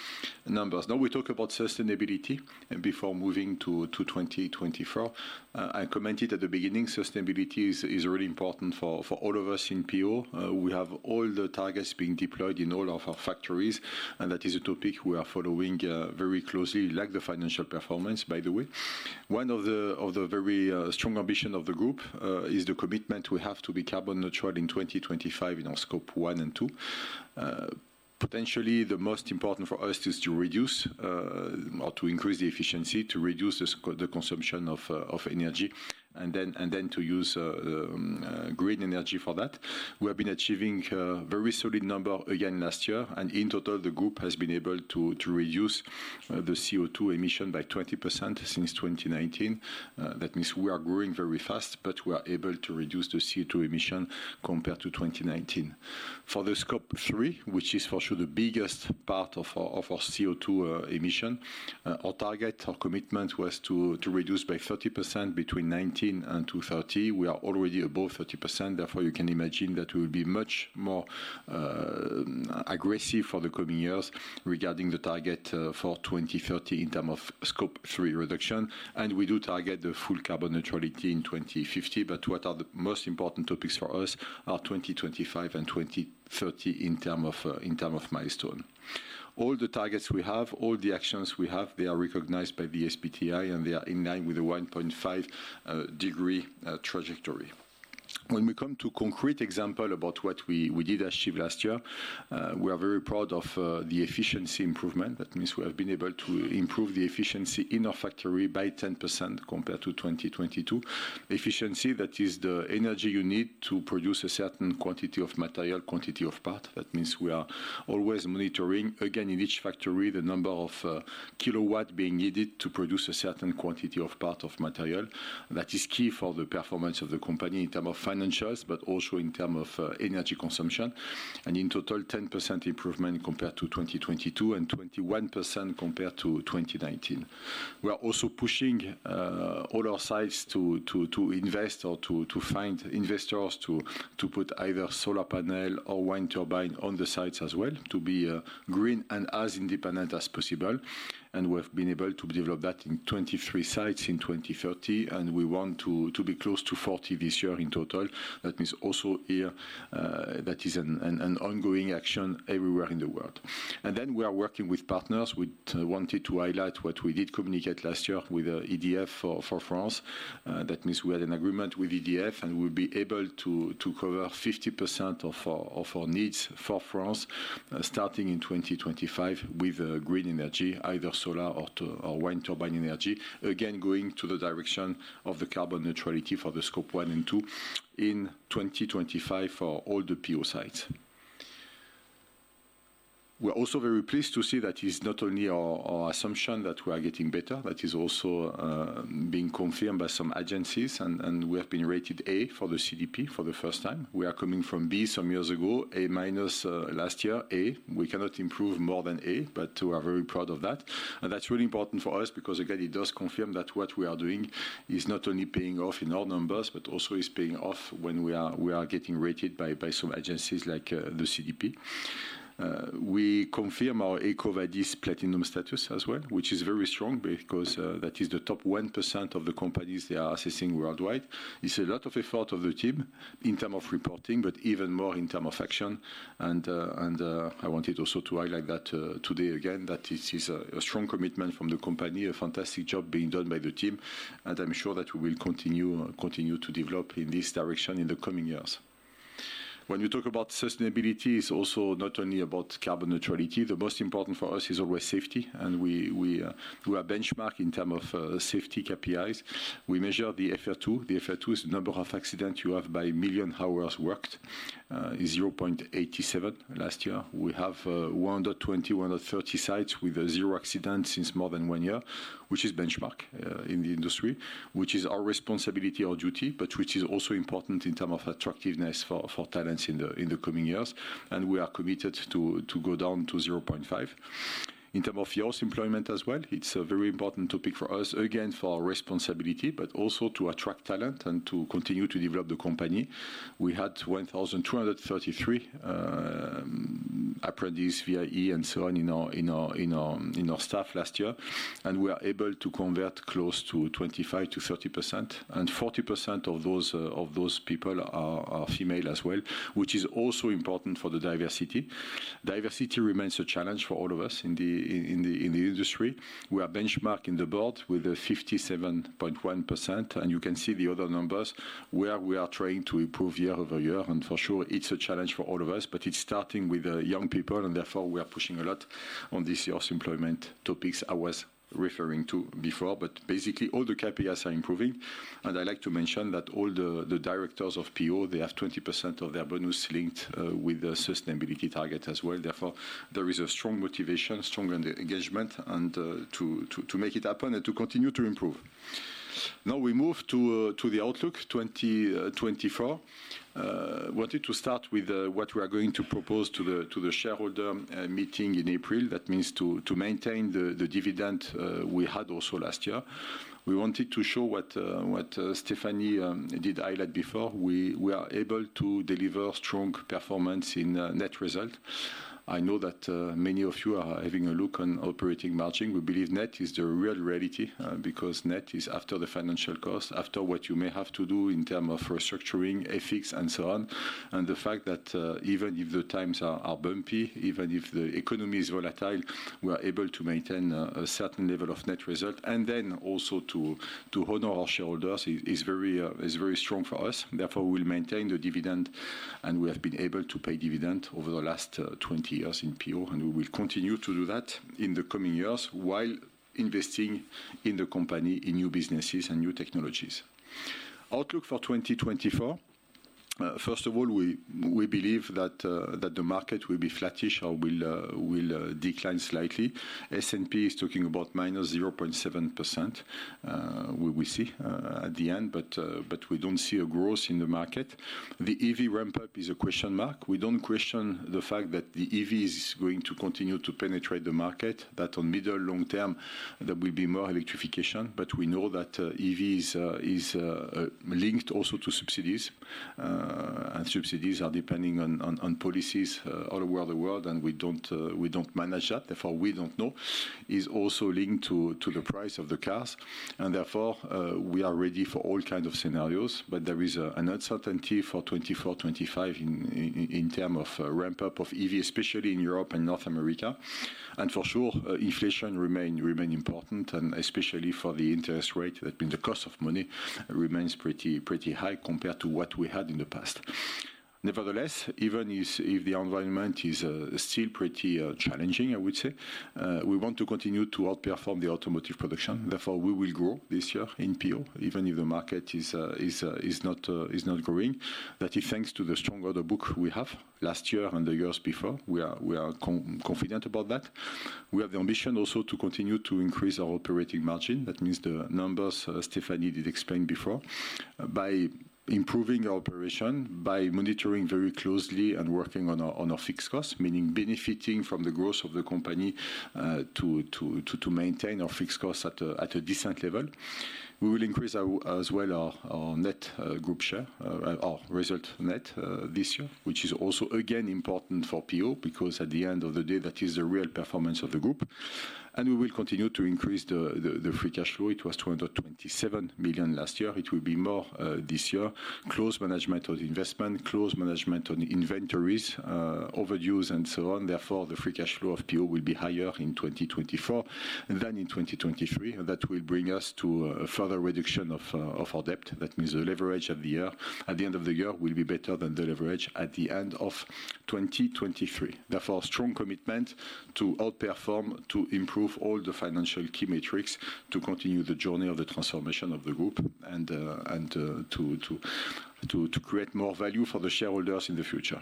numbers. Now, we talk about sustainability before moving to 2024. I commented at the beginning, sustainability is really important for all of us in PO. We have all the targets being deployed in all of our factories, and that is a topic we are following very closely, like the financial performance, by the way. One of the very strong ambitions of the group is the commitment we have to be carbon neutral in 2025 in our Scope 1 and 2. Potentially, the most important for us is to reduce or to increase the efficiency, to reduce the consumption of energy, and then to use green energy for that. We have been achieving a very solid number again last year, and in total, the group has been able to reduce the CO2 emissions by 20% since 2019. That means we are growing very fast, but we are able to reduce the CO2 emissions compared to 2019. For the Scope 3, which is for sure the biggest part of our CO2 emissions, our target, our commitment was to reduce by 30% between 2019 and 2030. We are already above 30%. Therefore, you can imagine that we will be much more aggressive for the coming years regarding the target for 2030 in terms of Scope 3 reduction. And we do target the full carbon neutrality in 2050, but what are the most important topics for us are 2025 and 2030 in terms of milestone. All the targets we have, all the actions we have, they are recognized by the SBTi, and they are in line with a 1.5-degree trajectory. When we come to a concrete example about what we did achieve last year, we are very proud of the efficiency improvement. That means we have been able to improve the efficiency in our factory by 10% compared to 2022. Efficiency, that is the energy you need to produce a certain quantity of material, quantity of part. That means we are always monitoring, again, in each factory, the number of kilowatts being needed to produce a certain quantity of part of material. That is key for the performance of the company in terms of financials, but also in terms of energy consumption. In total, 10% improvement compared to 2022 and 21% compared to 2019. We are also pushing all our sites to invest or to find investors to put either solar panel or wind turbine on the sites as well, to be green and as independent as possible. We have been able to develop that in 23 sites in 2030, and we want to be close to 40 this year in total. That means also here, that is an ongoing action everywhere in the world. Then we are working with partners. We wanted to highlight what we did communicate last year with EDF for France. That means we had an agreement with EDF, and we will be able to cover 50% of our needs for France starting in 2025 with green energy, either solar or wind turbine energy, again, going to the direction of the carbon neutrality for the Scope 1 and 2 in 2025 for all the PO sites. We are also very pleased to see that it is not only our assumption that we are getting better, that is also being confirmed by some agencies, and we have been rated A for the CDP for the first time. We are coming from B some years ago, A minus last year, A. We cannot improve more than A, but we are very proud of that. That's really important for us because, again, it does confirm that what we are doing is not only paying off in our numbers, but also is paying off when we are getting rated by some agencies like the CDP. We confirm our EcoVadis platinum status as well, which is very strong because that is the top 1% of the companies they are assessing worldwide. It's a lot of effort of the team in terms of reporting, but even more in terms of action. I wanted also to highlight that today again, that it is a strong commitment from the company, a fantastic job being done by the team, and I'm sure that we will continue to develop in this direction in the coming years. When we talk about sustainability, it's also not only about carbon neutrality. The most important for us is always safety, and we are benchmarked in terms of safety KPIs. We measure the FR2. The FR2 is the number of accidents you have by million hours worked, is 0.87 last year. We have 120-130 sites with zero accidents since more than one year, which is benchmark in the industry, which is our responsibility, our duty, but which is also important in terms of attractiveness for talents in the coming years. We are committed to go down to 0.5. In terms of your employment as well, it's a very important topic for us, again, for our responsibility, but also to attract talent and to continue to develop the company. We had 1,233 apprentices V.I.E and so on in our staff last year, and we are able to convert close to 25%-30%. 40% of those people are female as well, which is also important for the diversity. Diversity remains a challenge for all of us in the industry. We are benchmarked in the board with 57.1%, and you can see the other numbers where we are trying to improve year-over-year. For sure, it's a challenge for all of us, but it's starting with young people, and therefore, we are pushing a lot on these youth employment topics I was referring to before. Basically, all the KPIs are improving. I like to mention that all the directors of PO, they have 20% of their bonus linked with the sustainability target as well. Therefore, there is a strong motivation, strong engagement, and to make it happen and to continue to improve. Now, we move to the outlook 2024. I wanted to start with what we are going to propose to the shareholder meeting in April. That means to maintain the dividend we had also last year. We wanted to show what Stéphanie did highlight before. We are able to deliver strong performance in net result. I know that many of you are having a look on operating margin. We believe net is the real reality because net is after the financial cost, after what you may have to do in terms of restructuring, ethics, and so on. The fact that even if the times are bumpy, even if the economy is volatile, we are able to maintain a certain level of net result, and then also to honor our shareholders is very strong for us. Therefore, we will maintain the dividend, and we have been able to pay dividend over the last 20 years in PO, and we will continue to do that in the coming years while investing in the company in new businesses and new technologies. Outlook for 2024. First of all, we believe that the market will be flattish or will decline slightly. S&P is talking about -0.7%. We will see at the end, but we don't see a growth in the market. The EV ramp-up is a question mark. We don't question the fact that the EV is going to continue to penetrate the market, that on middle-long term, there will be more electrification, but we know that EV is linked also to subsidies, and subsidies are depending on policies all over the world, and we don't manage that. Therefore, we don't know. It's also linked to the price of the cars, and therefore, we are ready for all kinds of scenarios, but there is an uncertainty for 2024-2025 in terms of ramp-up of EV, especially in Europe and North America. And for sure, inflation remains important, and especially for the interest rate, I mean, the cost of money remains pretty high compared to what we had in the past. Nevertheless, even if the environment is still pretty challenging, I would say, we want to continue to outperform the automotive production. Therefore, we will grow this year in PO, even if the market is not growing. That is thanks to the strong order book we have last year and the years before. We are confident about that. We have the ambition also to continue to increase our operating margin. That means the numbers Stéphanie did explain before. By improving our operation, by monitoring very closely and working on our fixed costs, meaning benefiting from the growth of the company to maintain our fixed costs at a decent level, we will increase as well our net group share, our result net this year, which is also, again, important for PO because at the end of the day, that is the real performance of the group. We will continue to increase the free cash flow. It was 227 million last year. It will be more this year. Close management of investment, close management of inventories, overdues, and so on. Therefore, the free cash flow of PO will be higher in 2024 than in 2023. That will bring us to a further reduction of our debt. That means the leverage at the end of the year will be better than the leverage at the end of 2023. Therefore, strong commitment to outperform, to improve all the financial key metrics, to continue the journey of the transformation of the group, and to create more value for the shareholders in the future.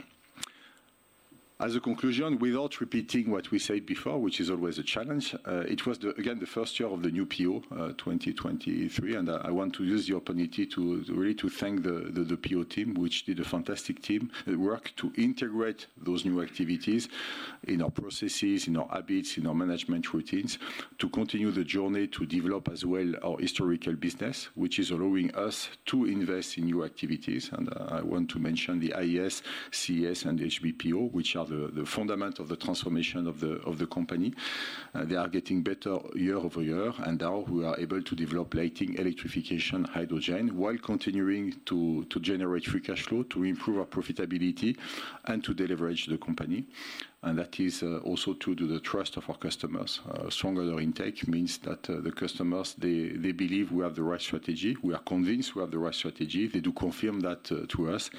As a conclusion, without repeating what we said before, which is always a challenge, it was, again, the first year of the new PO, 2023, and I want to use the opportunity really to thank the PO team, which did a fantastic work to integrate those new activities in our processes, in our habits, in our management routines, to continue the journey to develop as well our historical business, which is allowing us to invest in new activities. I want to mention the IES, CES, and HBPO, which are the foundation of the transformation of the company. They are getting better year-over-year, and now we are able to develop lighting, electrification, hydrogen, while continuing to generate free cash flow, to improve our profitability, and to deleverage the company. That is also to win the trust of our customers. Stronger intake means that the customers, they believe we have the right strategy. We are convinced we have the right strategy. They do confirm that to us,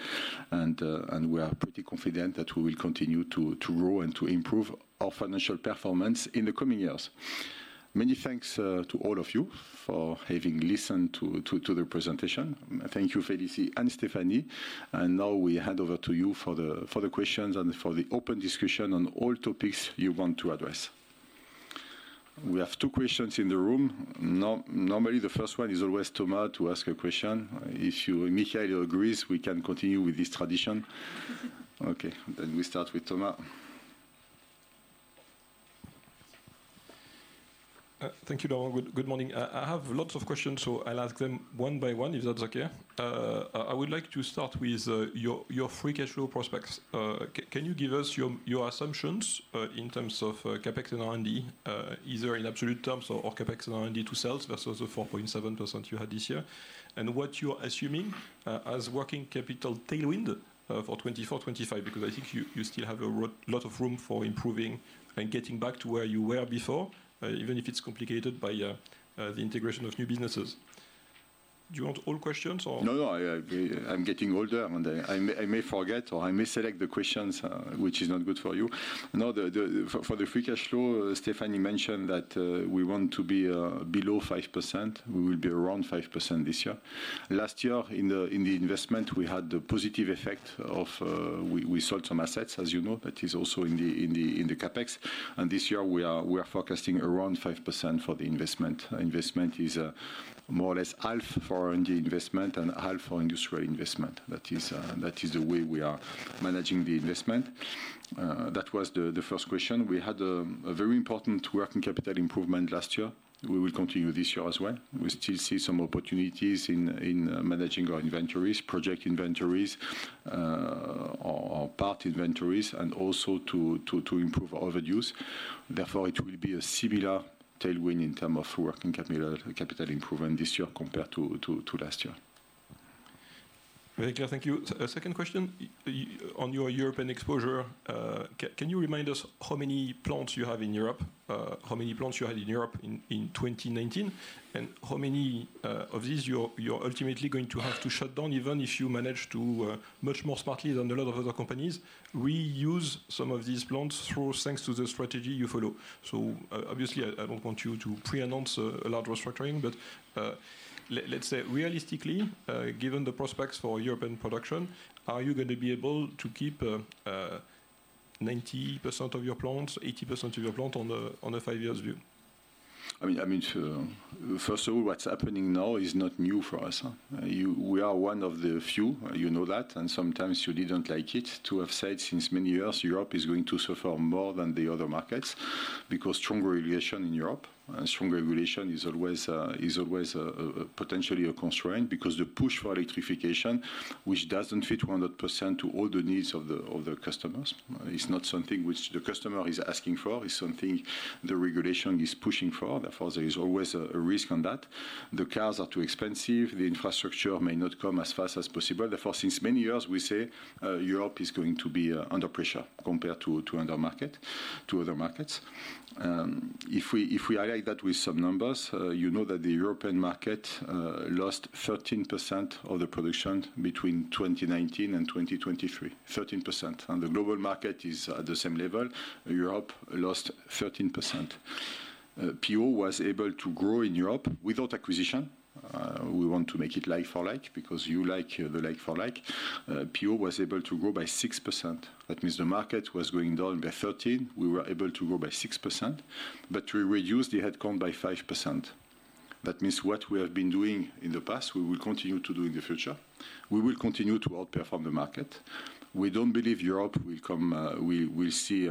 and we are pretty confident that we will continue to grow and to improve our financial performance in the coming years. Many thanks to all of you for having listened to the presentation. Thank you, Félicie and Stéphanie. And now we hand over to you for the questions and for the open discussion on all topics you want to address. We have two questions in the room. Normally, the first one is always Thomas to ask a question. If Michael agrees, we can continue with this tradition. Okay, then we start with Thomas.
Thank you, Laurent. Good morning. I have lots of questions, so I'll ask them one by one, if that's okay. I would like to start with your free cash flow prospects. Can you give us your assumptions in terms of CapEx and R&D, either in absolute terms or CapEx and R&D to sales versus the 4.7% you had this year? And what you're assuming as working capital tailwind for 2024-2025, because I think you still have a lot of room for improving and getting back to where you were before, even if it's complicated by the integration of new businesses. Do you want all questions or?
No, no. I'm getting older, and I may forget or I may select the questions, which is not good for you. No, for the free cash flow, Stéphanie mentioned that we want to be below 5%. We will be around 5% this year. Last year, in the investment, we had the positive effect of we sold some assets, as you know. That is also in the CapEx. And this year, we are forecasting around 5% for the investment. Investment is more or less half for R&D investment and half for industrial investment. That is the way we are managing the investment. That was the first question. We had a very important working capital improvement last year. We will continue this year as well. We still see some opportunities in managing our inventories, project inventories, or part inventories, and also to improve our overdues. Therefore, it will be a similar tailwind in terms of working capital improvement this year compared to last year.
Very clear. Thank you. Second question. On your European exposure, can you remind us how many plants you have in Europe, how many plants you had in Europe in 2019, and how many of these you're ultimately going to have to shut down even if you manage to, much more smartly than a lot of other companies, reuse some of these plants thanks to the strategy you follow? So obviously, I don't want you to pre-announce a lot of restructuring, but let's say, realistically, given the prospects for European production, are you going to be able to keep 90% of your plants, 80% of your plant on a five-year view?
I mean, first of all, what's happening now is not new for us. We are one of the few, you know that, and sometimes you didn't like it to have said since many years Europe is going to suffer more than the other markets because stronger regulation in Europe, stronger regulation is always potentially a constraint because the push for electrification, which doesn't fit 100% to all the needs of the customers, is not something which the customer is asking for. It's something the regulation is pushing for. Therefore, there is always a risk on that. The cars are too expensive. The infrastructure may not come as fast as possible. Therefore, since many years, we say Europe is going to be under pressure compared to other markets. If we highlight that with some numbers, you know that the European market lost 13% of the production between 2019 and 2023, 13%. The global market is at the same level. Europe lost 13%. PO was able to grow in Europe without acquisition. We want to make it like-for-like because you like the like-for-like. PO was able to grow by 6%. That means the market was going down by 13%. We were able to grow by 6%, but we reduced the headcount by 5%. That means what we have been doing in the past, we will continue to do in the future. We will continue to outperform the market. We don't believe Europe will see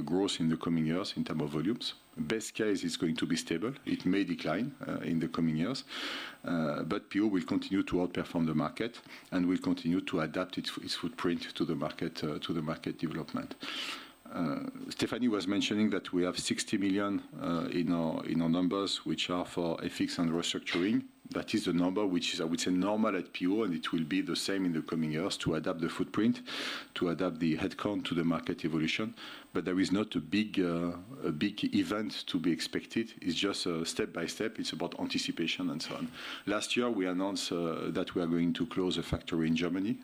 growth in the coming years in terms of volumes. Best case, it's going to be stable. It may decline in the coming years, but PO will continue to outperform the market and will continue to adapt its footprint to the market development. Stéphanie was mentioning that we have 60 million in our numbers, which are for ethics and restructuring. That is the number which is, I would say, normal at PO, and it will be the same in the coming years to adapt the footprint, to adapt the headcount to the market evolution. But there is not a big event to be expected. It's just step by step. It's about anticipation and so on. Last year, we announced that we are going to close a factory in Germany,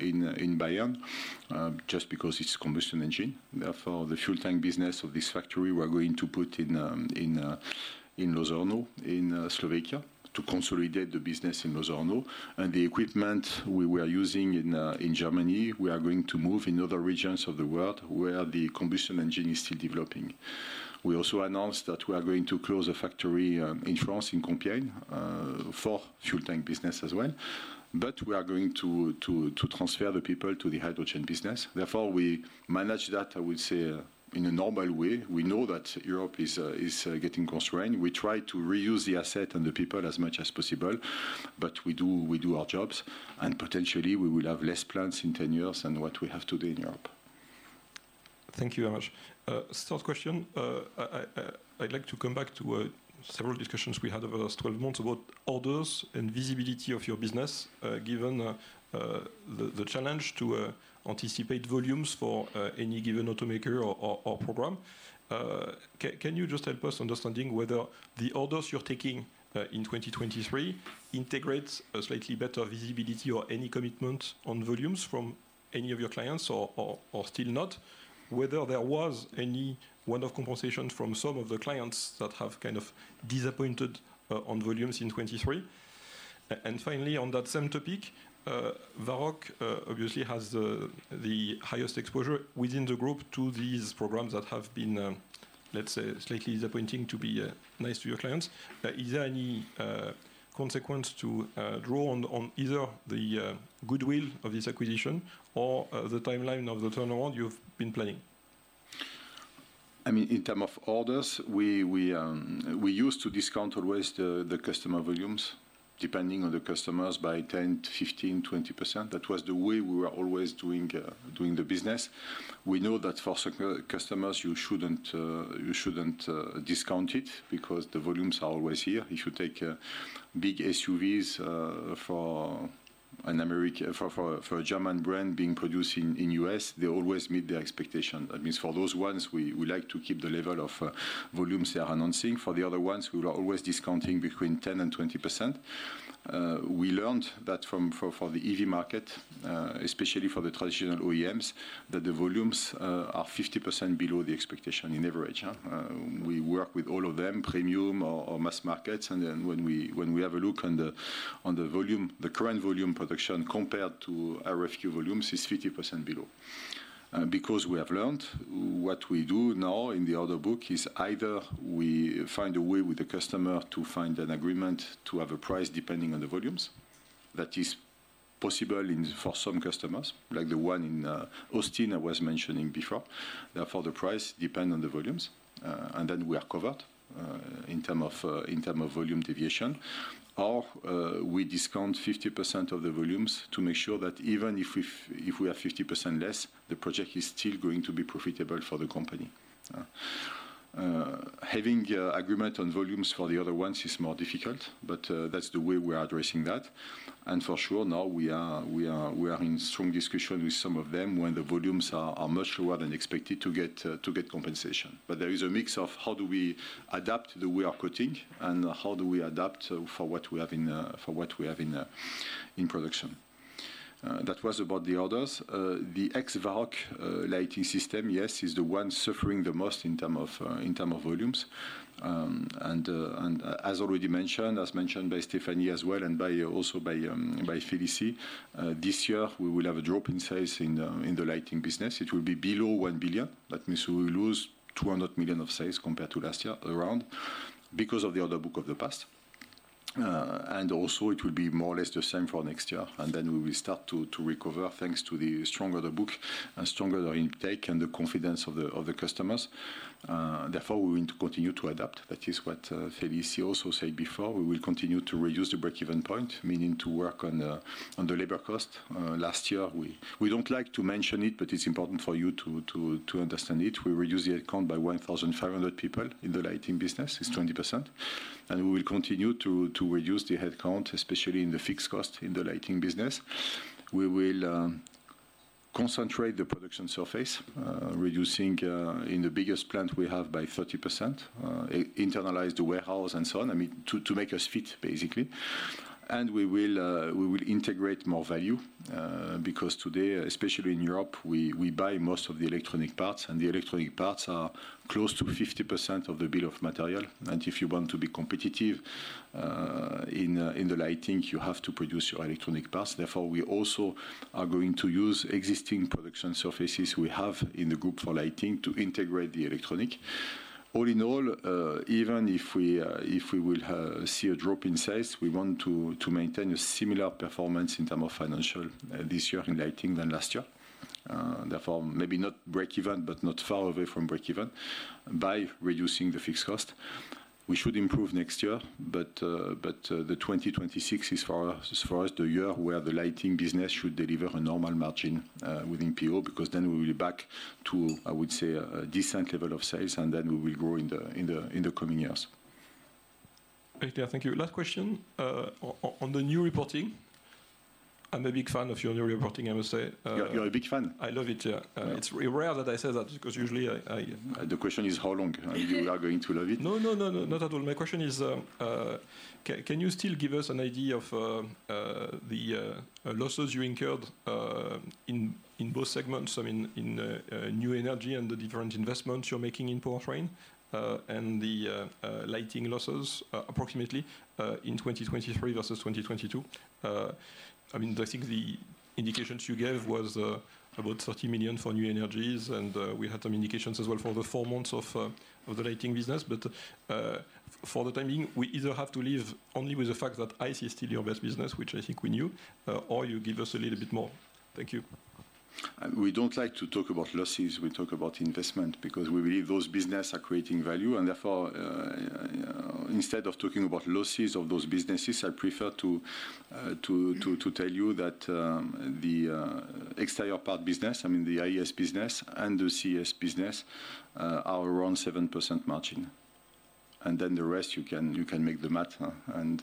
in Bayern, just because it's a combustion engine. Therefore, the fuel tank business of this factory, we are going to put in Lozorno, in Slovakia, to consolidate the business in Lozorno. And the equipment we were using in Germany, we are going to move in other regions of the world where the combustion engine is still developing. We also announced that we are going to close a factory in France, in Compiègne, for fuel tank business as well. But we are going to transfer the people to the hydrogen business. Therefore, we manage that, I would say, in a normal way. We know that Europe is getting constrained. We try to reuse the asset and the people as much as possible, but we do our jobs, and potentially, we will have less plants in 10 years than what we have today in Europe.
Thank you very much. Start question. I'd like to come back to several discussions we had over the last 12 months about orders and visibility of your business given the challenge to anticipate volumes for any given automaker or program. Can you just help us understanding whether the orders you're taking in 2023 integrate slightly better visibility or any commitment on volumes from any of your clients or still not, whether there was any one-off compensation from some of the clients that have kind of disappointed on volumes in 2023? And finally, on that same topic, Varroc obviously has the highest exposure within the group to these programs that have been, let's say, slightly disappointing to be nice to your clients. Is there any consequence to draw on either the goodwill of this acquisition or the timeline of the turnaround you've been planning?
I mean, in terms of orders, we used to discount always the customer volumes depending on the customers by 10%, 15%, 20%. That was the way we were always doing the business. We know that for customers, you shouldn't discount it because the volumes are always here. If you take big SUVs for a German brand being produced in the U.S., they always meet their expectations. That means for those ones, we like to keep the level of volumes they are announcing. For the other ones, we were always discounting between 10%-20%. We learned that for the EV market, especially for the traditional OEMs, that the volumes are 50% below the expectation on average. We work with all of them, premium or mass markets, and then when we have a look on the current volume production compared to RFQ volumes, it's 50% below. Because we have learned what we do now in the order book is either we find a way with the customer to find an agreement to have a price depending on the volumes. That is possible for some customers, like the one in Austin I was mentioning before. Therefore, the price depends on the volumes, and then we are covered in terms of volume deviation, or we discount 50% of the volumes to make sure that even if we have 50% less, the project is still going to be profitable for the company. Having agreement on volumes for the other ones is more difficult, but that's the way we are addressing that. And for sure, now we are in strong discussion with some of them when the volumes are much lower than expected to get compensation. But there is a mix of how do we adapt the way we are quoting and how do we adapt for what we have in production. That was about the orders. The ex-Varroc lighting system, yes, is the one suffering the most in terms of volumes. And as already mentioned, as mentioned by Stéphanie as well and also by Félicie, this year, we will have a drop in sales in the lighting business. It will be below 1 billion. That means we will lose 200 million of sales compared to last year, around, because of the order book of the past. And also, it will be more or less the same for next year, and then we will start to recover thanks to the stronger the book and stronger the intake and the confidence of the customers. Therefore, we're going to continue to adapt. That is what Félicie also said before. We will continue to reduce the breakeven point, meaning to work on the labor cost. Last year, we don't like to mention it, but it's important for you to understand it. We reduced the headcount by 1,500 people in the lighting business. It's 20%. We will continue to reduce the headcount, especially in the fixed cost in the lighting business. We will concentrate the production surface, reducing in the biggest plant we have by 30%, internalize the warehouse and so on, I mean, to make us fit, basically. We will integrate more value because today, especially in Europe, we buy most of the electronic parts, and the electronic parts are close to 50% of the bill of material. If you want to be competitive in the lighting, you have to produce your electronic parts. Therefore, we also are going to use existing production surfaces we have in the group for lighting to integrate the electronics. All in all, even if we will see a drop in sales, we want to maintain a similar performance in terms of financial this year in lighting than last year. Therefore, maybe not breakeven, but not far away from breakeven by reducing the fixed cost. We should improve next year, but the 2026 is for us the year where the lighting business should deliver a normal margin within PO because then we will be back to, I would say, a decent level of sales, and then we will grow in the coming years.
Very clear. Thank you. Last question. On the new reporting, I'm a big fan of your new reporting, I must say.
You're a big fan.
I love it. It's rare that I say that because usually, I.
The question is how long you are going to love it.
No, no, no, not at all. My question is, can you still give us an idea of the losses you incurred in both segments, I mean, in new energy and the different investments you're making in powertrain and the lighting losses, approximately, in 2023 versus 2022? I mean, I think the indications you gave were about 30 million for new energies, and we had some indications as well for the four months of the lighting business. But for the time being, we either have to leave only with the fact that ICE is still your best business, which I think we knew, or you give us a little bit more. Thank you.
We don't like to talk about losses. We talk about investment because we believe those businesses are creating value. And therefore, instead of talking about losses of those businesses, I prefer to tell you that the exterior part business, I mean, the IES business and the CES business, are around 7% margin. And then the rest, you can make the math and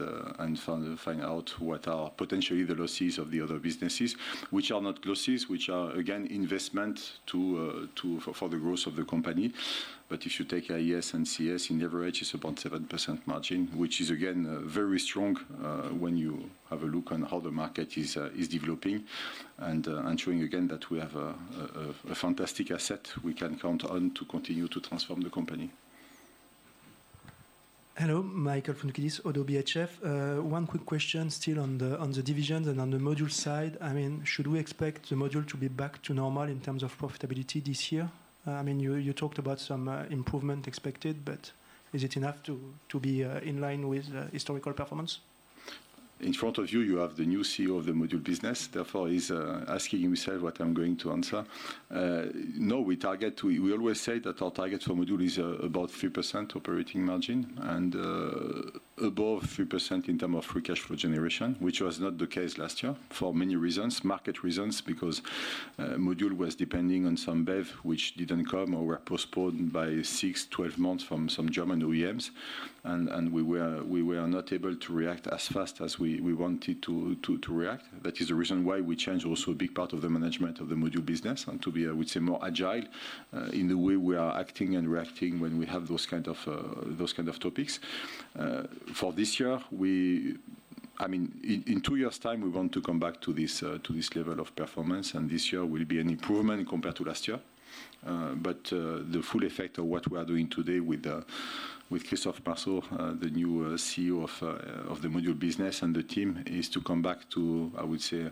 find out what are potentially the losses of the other businesses, which are not losses, which are, again, investment for the growth of the company. But if you take IES and CES, in average, it's about 7% margin, which is, again, very strong when you have a look on how the market is developing and showing, again, that we have a fantastic asset we can count on to continue to transform the company.
Hello. Michael Foundoukidis, ODDO BHF. One quick question still on the divisions and on the module side. I mean, should we expect the module to be back to normal in terms of profitability this year? I mean, you talked about some improvement expected, but is it enough to be in line with historical performance?
In front of you, you have the new CEO of the module business. Therefore, he's asking himself what I'm going to answer. No, we always say that our target for module is about 3% operating margin and above 3% in terms of free cash flow generation, which was not the case last year for many reasons, market reasons, because module was depending on some BEV which didn't come or were postponed by 6-12 months from some German OEMs, and we were not able to react as fast as we wanted to react. That is the reason why we changed also a big part of the management of the module business and to be, I would say, more agile in the way we are acting and reacting when we have those kinds of topics. For this year, I mean, in two years' time, we want to come back to this level of performance, and this year will be an improvement compared to last year. But the full effect of what we are doing today with Christophe Marceau, the new CEO of the module business and the team, is to come back to, I would say,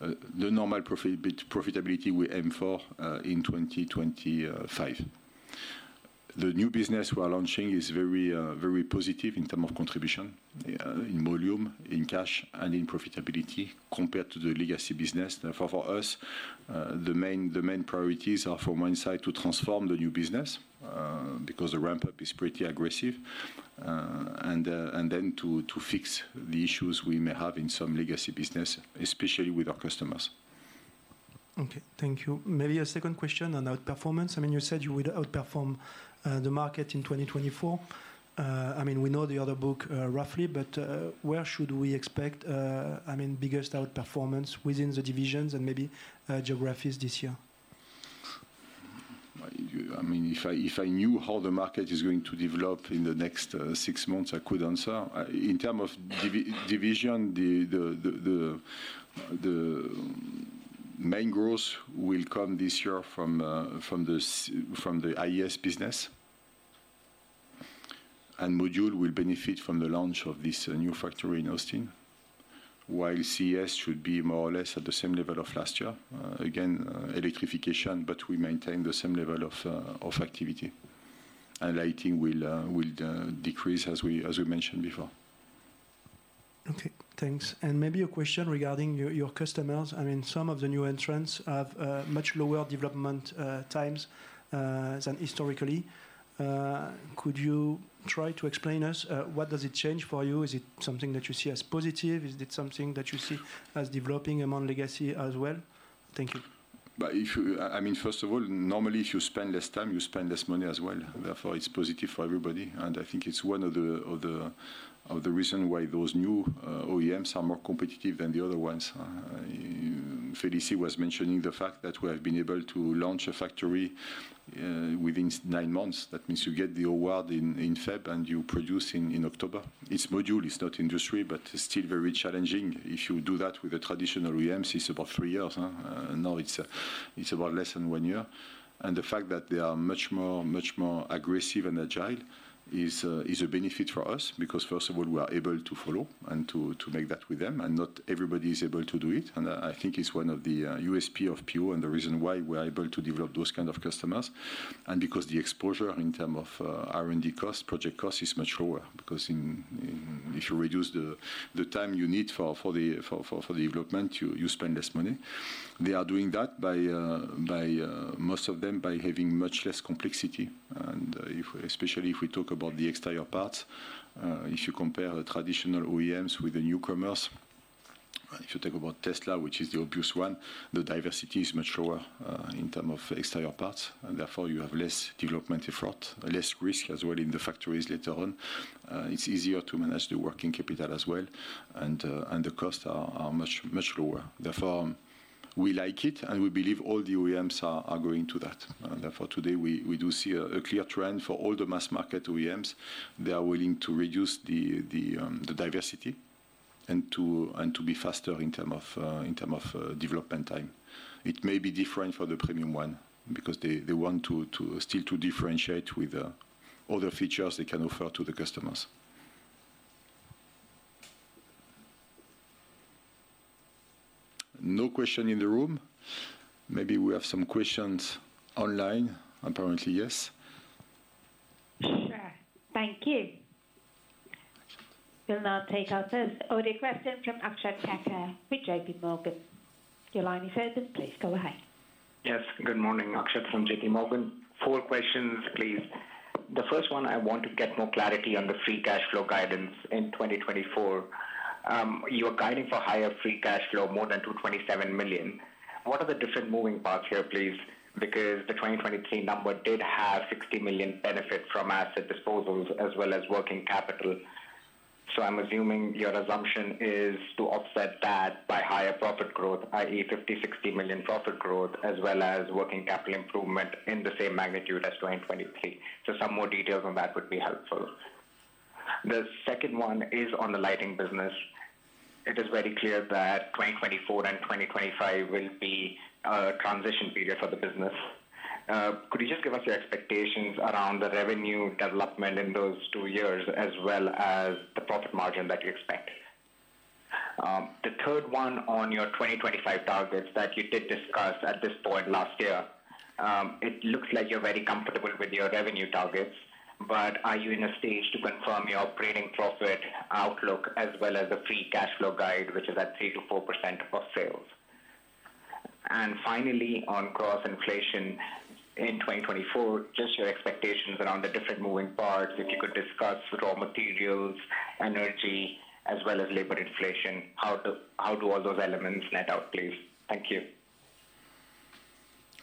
the normal profitability we aim for in 2025. The new business we are launching is very positive in terms of contribution in volume, in cash, and in profitability compared to the legacy business. Therefore, for us, the main priorities are, from one side, to transform the new business because the ramp-up is pretty aggressive, and then to fix the issues we may have in some legacy business, especially with our customers.
Okay. Thank you. Maybe a second question on outperformance. I mean, you said you would outperform the market in 2024. I mean, we know the order book roughly, but where should we expect, I mean, biggest outperformance within the divisions and maybe geographies this year?
I mean, if I knew how the market is going to develop in the next six months, I could answer. In terms of division, the main growth will come this year from the IES business, and module will benefit from the launch of this new factory in Austin, while CES should be more or less at the same level of last year. Again, electrification, but we maintain the same level of activity. Lighting will decrease, as we mentioned before.
Okay. Thanks. And maybe a question regarding your customers. I mean, some of the new entrants have much lower development times than historically. Could you try to explain to us what does it change for you? Is it something that you see as positive? Is it something that you see as developing among legacy as well? Thank you.
I mean, first of all, normally, if you spend less time, you spend less money as well. Therefore, it's positive for everybody. And I think it's one of the reasons why those new OEMs are more competitive than the other ones. Félicie was mentioning the fact that we have been able to launch a factory within nine months. That means you get the award in FEB, and you produce in October. It's module. It's not industry, but still very challenging. If you do that with the traditional OEMs, it's about three years. Now, it's about less than 1 year. And the fact that they are much more aggressive and agile is a benefit for us because, first of all, we are able to follow and to make that with them. And not everybody is able to do it. I think it's one of the USP of PO and the reason why we are able to develop those kinds of customers and because the exposure in terms of R&D cost, project cost, is much lower because if you reduce the time you need for the development, you spend less money. They are doing that, most of them, by having much less complexity. Especially if we talk about the exterior parts, if you compare traditional OEMs with the newcomers, if you talk about Tesla, which is the obvious one, the diversity is much lower in terms of exterior parts. Therefore, you have less development effort, less risk as well in the factories later on. It's easier to manage the working capital as well, and the costs are much lower. Therefore, we like it, and we believe all the OEMs are going to that. Therefore, today, we do see a clear trend for all the mass market OEMs. They are willing to reduce the diversity and to be faster in terms of development time. It may be different for the premium one because they want still to differentiate with other features they can offer to the customers. No question in the room? Maybe we have some questions online. Apparently, yes.
Sure. Thank you. We'll now take our first audio question from Akshat Kacker with JPMorgan. Your line is open. Please go ahead.
Yes. Good morning, Akshat from JPMorgan. Four questions, please. The first one, I want to get more clarity on the free cash flow guidance in 2024. You are guiding for higher free cash flow, more than 227 million. What are the different moving parts here, please? Because the 2023 number did have 60 million benefit from asset disposals as well as working capital. So I'm assuming your assumption is to offset that by higher profit growth, i.e., 50 million-60 million profit growth, as well as working capital improvement in the same magnitude as 2023. So some more details on that would be helpful. The second one is on the lighting business. It is very clear that 2024 and 2025 will be a transition period for the business. Could you just give us your expectations around the revenue development in those two years as well as the profit margin that you expect? The third one on your 2025 targets that you did discuss at this point last year, it looks like you're very comfortable with your revenue targets, but are you in a stage to confirm your operating profit outlook as well as the free cash flow guide, which is at 3%-4% of sales? And finally, on cross-inflation in 2024, just your expectations around the different moving parts, if you could discuss raw materials, energy, as well as labor inflation, how do all those elements net out, please? Thank you.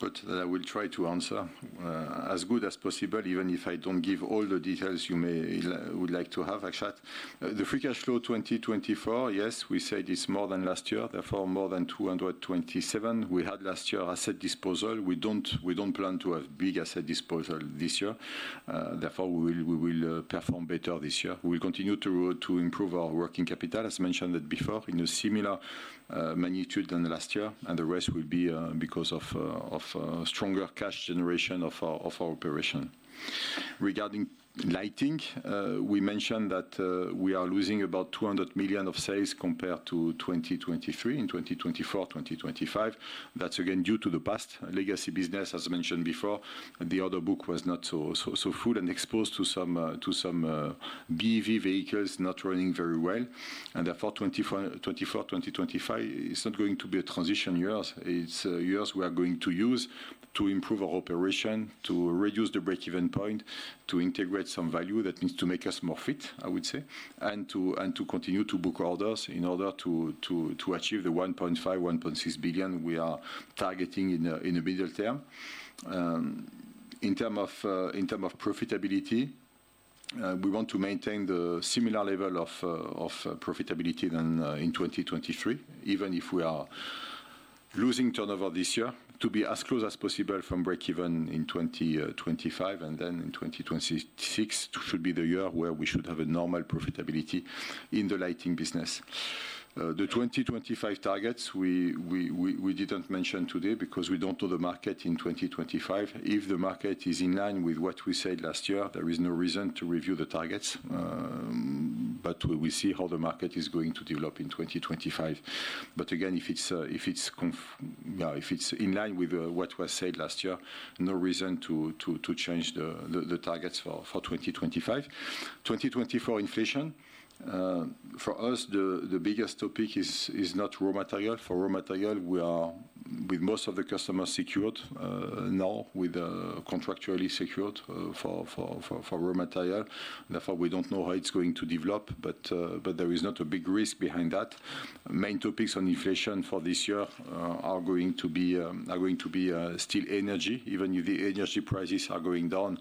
Good. That, I will try to answer as good as possible, even if I don't give all the details you would like to have, Akshat. The free cash flow 2024, yes, we said it's more than last year. Therefore, more than 227 million. We had last year asset disposal. We don't plan to have big asset disposal this year. Therefore, we will perform better this year. We will continue to improve our working capital, as mentioned before, in a similar magnitude than last year. And the rest will be because of stronger cash generation of our operation. Regarding lighting, we mentioned that we are losing about 200 million of sales compared to 2023. In 2024, 2025, that's, again, due to the past legacy business, as mentioned before. The order book was not so full and exposed to some BEV vehicles not running very well. Therefore, 2024, 2025, it's not going to be a transition year. It's years we are going to use to improve our operation, to reduce the breakeven point, to integrate some value. That means to make us more fit, I would say, and to continue to book orders in order to achieve the 1.5 billion-1.6 billion we are targeting in the middle term. In terms of profitability, we want to maintain the similar level of profitability than in 2023, even if we are losing turnover this year, to be as close as possible from breakeven in 2025. And then in 2026 should be the year where we should have a normal profitability in the lighting business. The 2025 targets, we didn't mention today because we don't know the market in 2025. If the market is in line with what we said last year, there is no reason to review the targets. But we will see how the market is going to develop in 2025. But again, if it's in line with what was said last year, no reason to change the targets for 2025. 2024 inflation, for us, the biggest topic is not raw material. For raw material, we are with most of the customers secured now, contractually secured for raw material. Therefore, we don't know how it's going to develop, but there is not a big risk behind that. Main topics on inflation for this year are going to be still energy, even if the energy prices are going down.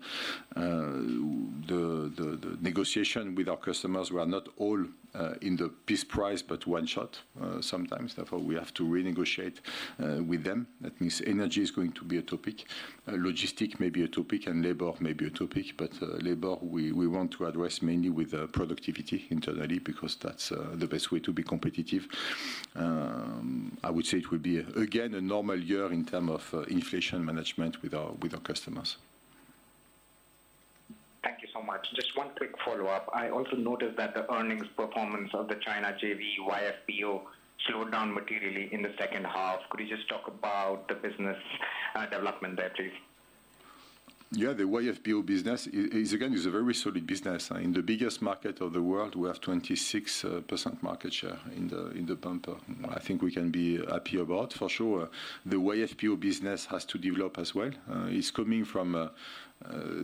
The negotiation with our customers, we are not all in the piece price, but one shot sometimes. Therefore, we have to renegotiate with them. That means energy is going to be a topic. Logistics may be a topic, and labor may be a topic. But labor, we want to address mainly with productivity internally because that's the best way to be competitive. I would say it will be, again, a normal year in terms of inflation management with our customers.
Thank you so much. Just one quick follow-up. I also noticed that the earnings performance of the China JV YFPO slowed down materially in the second half. Could you just talk about the business development there, please?
Yeah. The YFPO business, again, is a very solid business. In the biggest market of the world, we have 26% market share in the bumper. I think we can be happy about, for sure. The YFPO business has to develop as well. It's coming from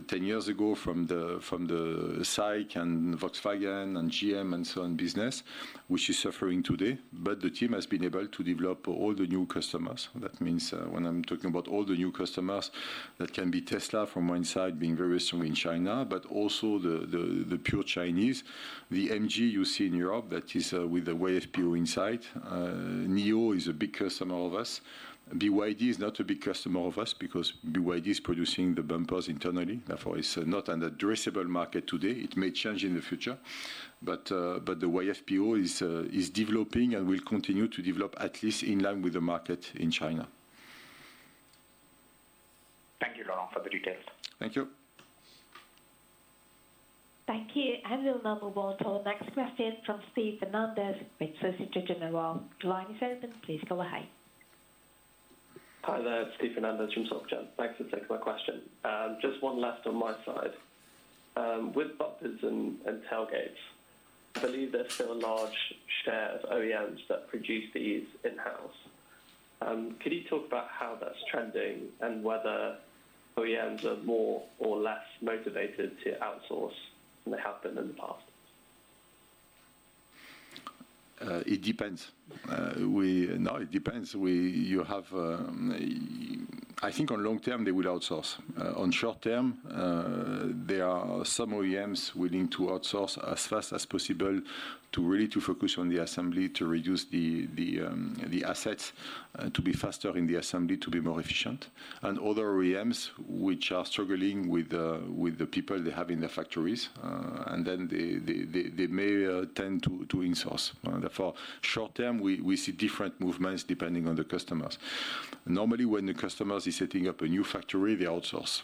10 years ago from the SAIC and Volkswagen and GM and so on business, which is suffering today. But the team has been able to develop all the new customers. That means when I'm talking about all the new customers, that can be Tesla from one side being very strong in China, but also the pure Chinese, the MG you see in Europe that is with the YFPO inside. NIO is a big customer of us. BYD is not a big customer of us because BYD is producing the bumpers internally. Therefore, it's not an addressable market today. It may change in the future. The YFPO is developing and will continue to develop at least in line with the market in China.
Thank you, Laurent, for the details.
Thank you.
Thank you. We'll now move on to our next question from Steve Fernandez with Société Générale. Your line is open. Please go ahead.
Hi there, Steve Fernandez from SocGen. Thanks for taking my question. Just one last on my side. With bumpers and tailgates, I believe there's still a large share of OEMs that produce these in-house. Could you talk about how that's trending and whether OEMs are more or less motivated to outsource than they have been in the past?
It depends. No, it depends. I think on long term, they will outsource. On short term, there are some OEMs willing to outsource as fast as possible to really focus on the assembly, to reduce the assets, to be faster in the assembly, to be more efficient. Other OEMs which are struggling with the people they have in the factories, and then they may tend to insource. Therefore, short term, we see different movements depending on the customers. Normally, when the customer is setting up a new factory, they outsource.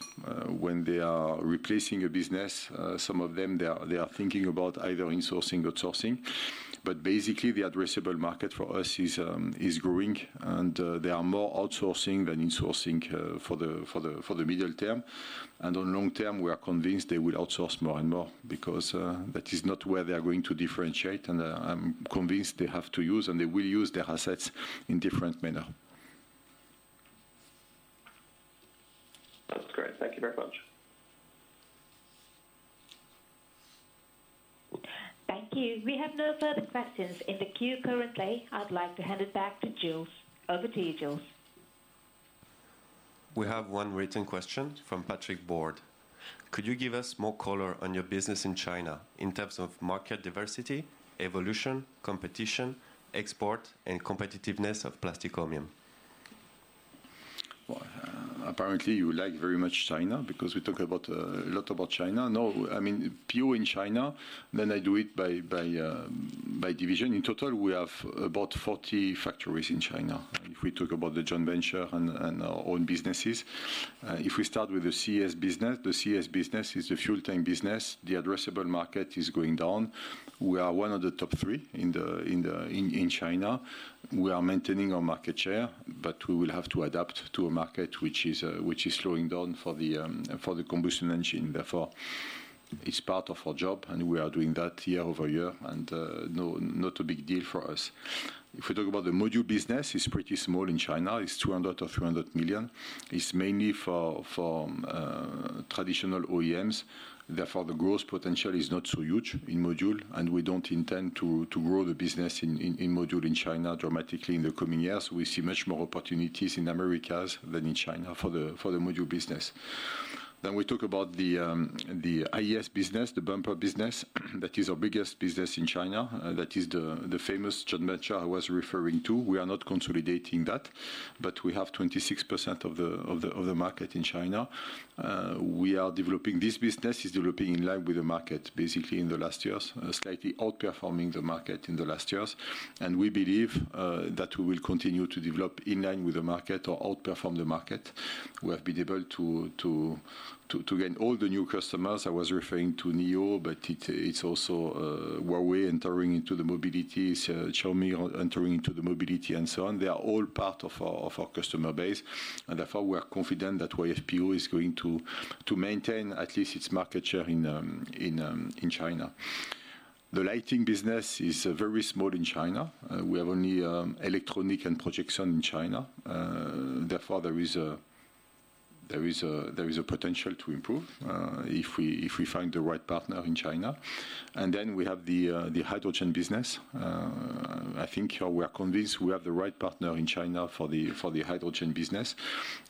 When they are replacing a business, some of them, they are thinking about either insourcing or outsourcing. But basically, the addressable market for us is growing, and they are more outsourcing than insourcing for the middle term. On long-term, we are convinced they will outsource more and more because that is not where they are going to differentiate. I'm convinced they have to use, and they will use their assets in different manner.
That's great. Thank you very much.
Thank you. We have no further questions in the queue currently. I'd like to hand it back to Jules. Over to you, Jules. We have one written question from Patrick Borde. Could you give us more color on your business in China in terms of market diversity, evolution, competition, export, and competitiveness of Plastic Omnium?
Well, apparently, you like very much China because we talk a lot about China. No, I mean, PO in China, then I do it by division. In total, we have about 40 factories in China. If we talk about the joint venture and our own businesses, if we start with the CES business, the CES business is the fuel tank business. The addressable market is going down. We are one of the top three in China. We are maintaining our market share, but we will have to adapt to a market which is slowing down for the combustion engine. Therefore, it's part of our job, and we are doing that year-over-year, and not a big deal for us. If we talk about the module business, it's pretty small in China. It's 200 million or 300 million. It's mainly for traditional OEMs. Therefore, the growth potential is not so huge in module, and we don't intend to grow the business in module in China dramatically in the coming years. We see much more opportunities in Americas than in China for the module business. Then we talk about the IES business, the bumper business. That is our biggest business in China. That is the famous joint venture I was referring to. We are not consolidating that, but we have 26% of the market in China. We are developing this business is developing in line with the market, basically, in the last years, slightly outperforming the market in the last years. And we believe that we will continue to develop in line with the market or outperform the market. We have been able to gain all the new customers. I was referring to NIO, but it's also Huawei entering into the mobility, Xiaomi entering into the mobility, and so on. They are all part of our customer base. Therefore, we are confident that YFPO is going to maintain at least its market share in China. The lighting business is very small in China. We have only electronic and projection in China. Therefore, there is a potential to improve if we find the right partner in China. Then we have the hydrogen business. I think we are convinced we have the right partner in China for the hydrogen business.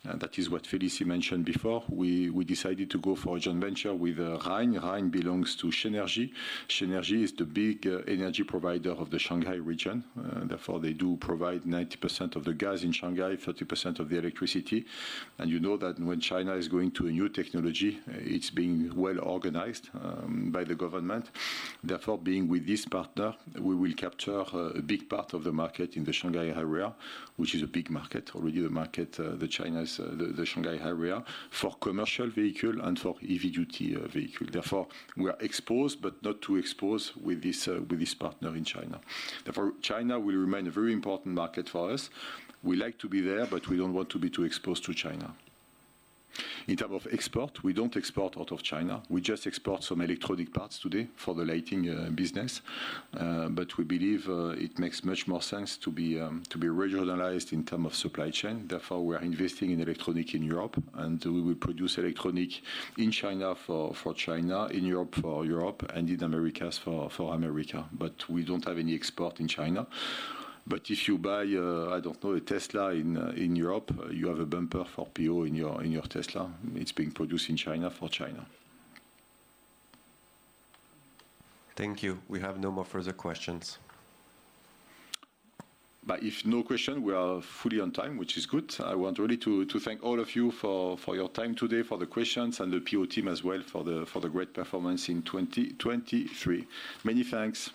That is what Félicie mentioned before. We decided to go for a joint venture with Rein. Rein belongs to Shenergy. Shenergy is the big energy provider of the Shanghai region. Therefore, they do provide 90% of the gas in Shanghai, 30% of the electricity. You know that when China is going to a new technology, it's being well organized by the government. Therefore, being with this partner, we will capture a big part of the market in the Shanghai highway area, which is a big market already, the Shanghai highway area, for commercial vehicle and for EV duty vehicle. Therefore, we are exposed, but not too exposed with this partner in China. Therefore, China will remain a very important market for us. We like to be there, but we don't want to be too exposed to China. In terms of export, we don't export out of China. We just export some electronic parts today for the lighting business. But we believe it makes much more sense to be regionalized in terms of supply chain. Therefore, we are investing in electronics in Europe, and we will produce electronics in China for China, in Europe for Europe, and in Americas for America. But we don't have any export in China. But if you buy, I don't know, a Tesla in Europe, you have a bumper for PO in your Tesla. It's being produced in China for China.
Thank you. We have no more further questions.
If no question, we are fully on time, which is good. I want really to thank all of you for your time today, for the questions, and the PO team as well for the great performance in 2023. Many thanks.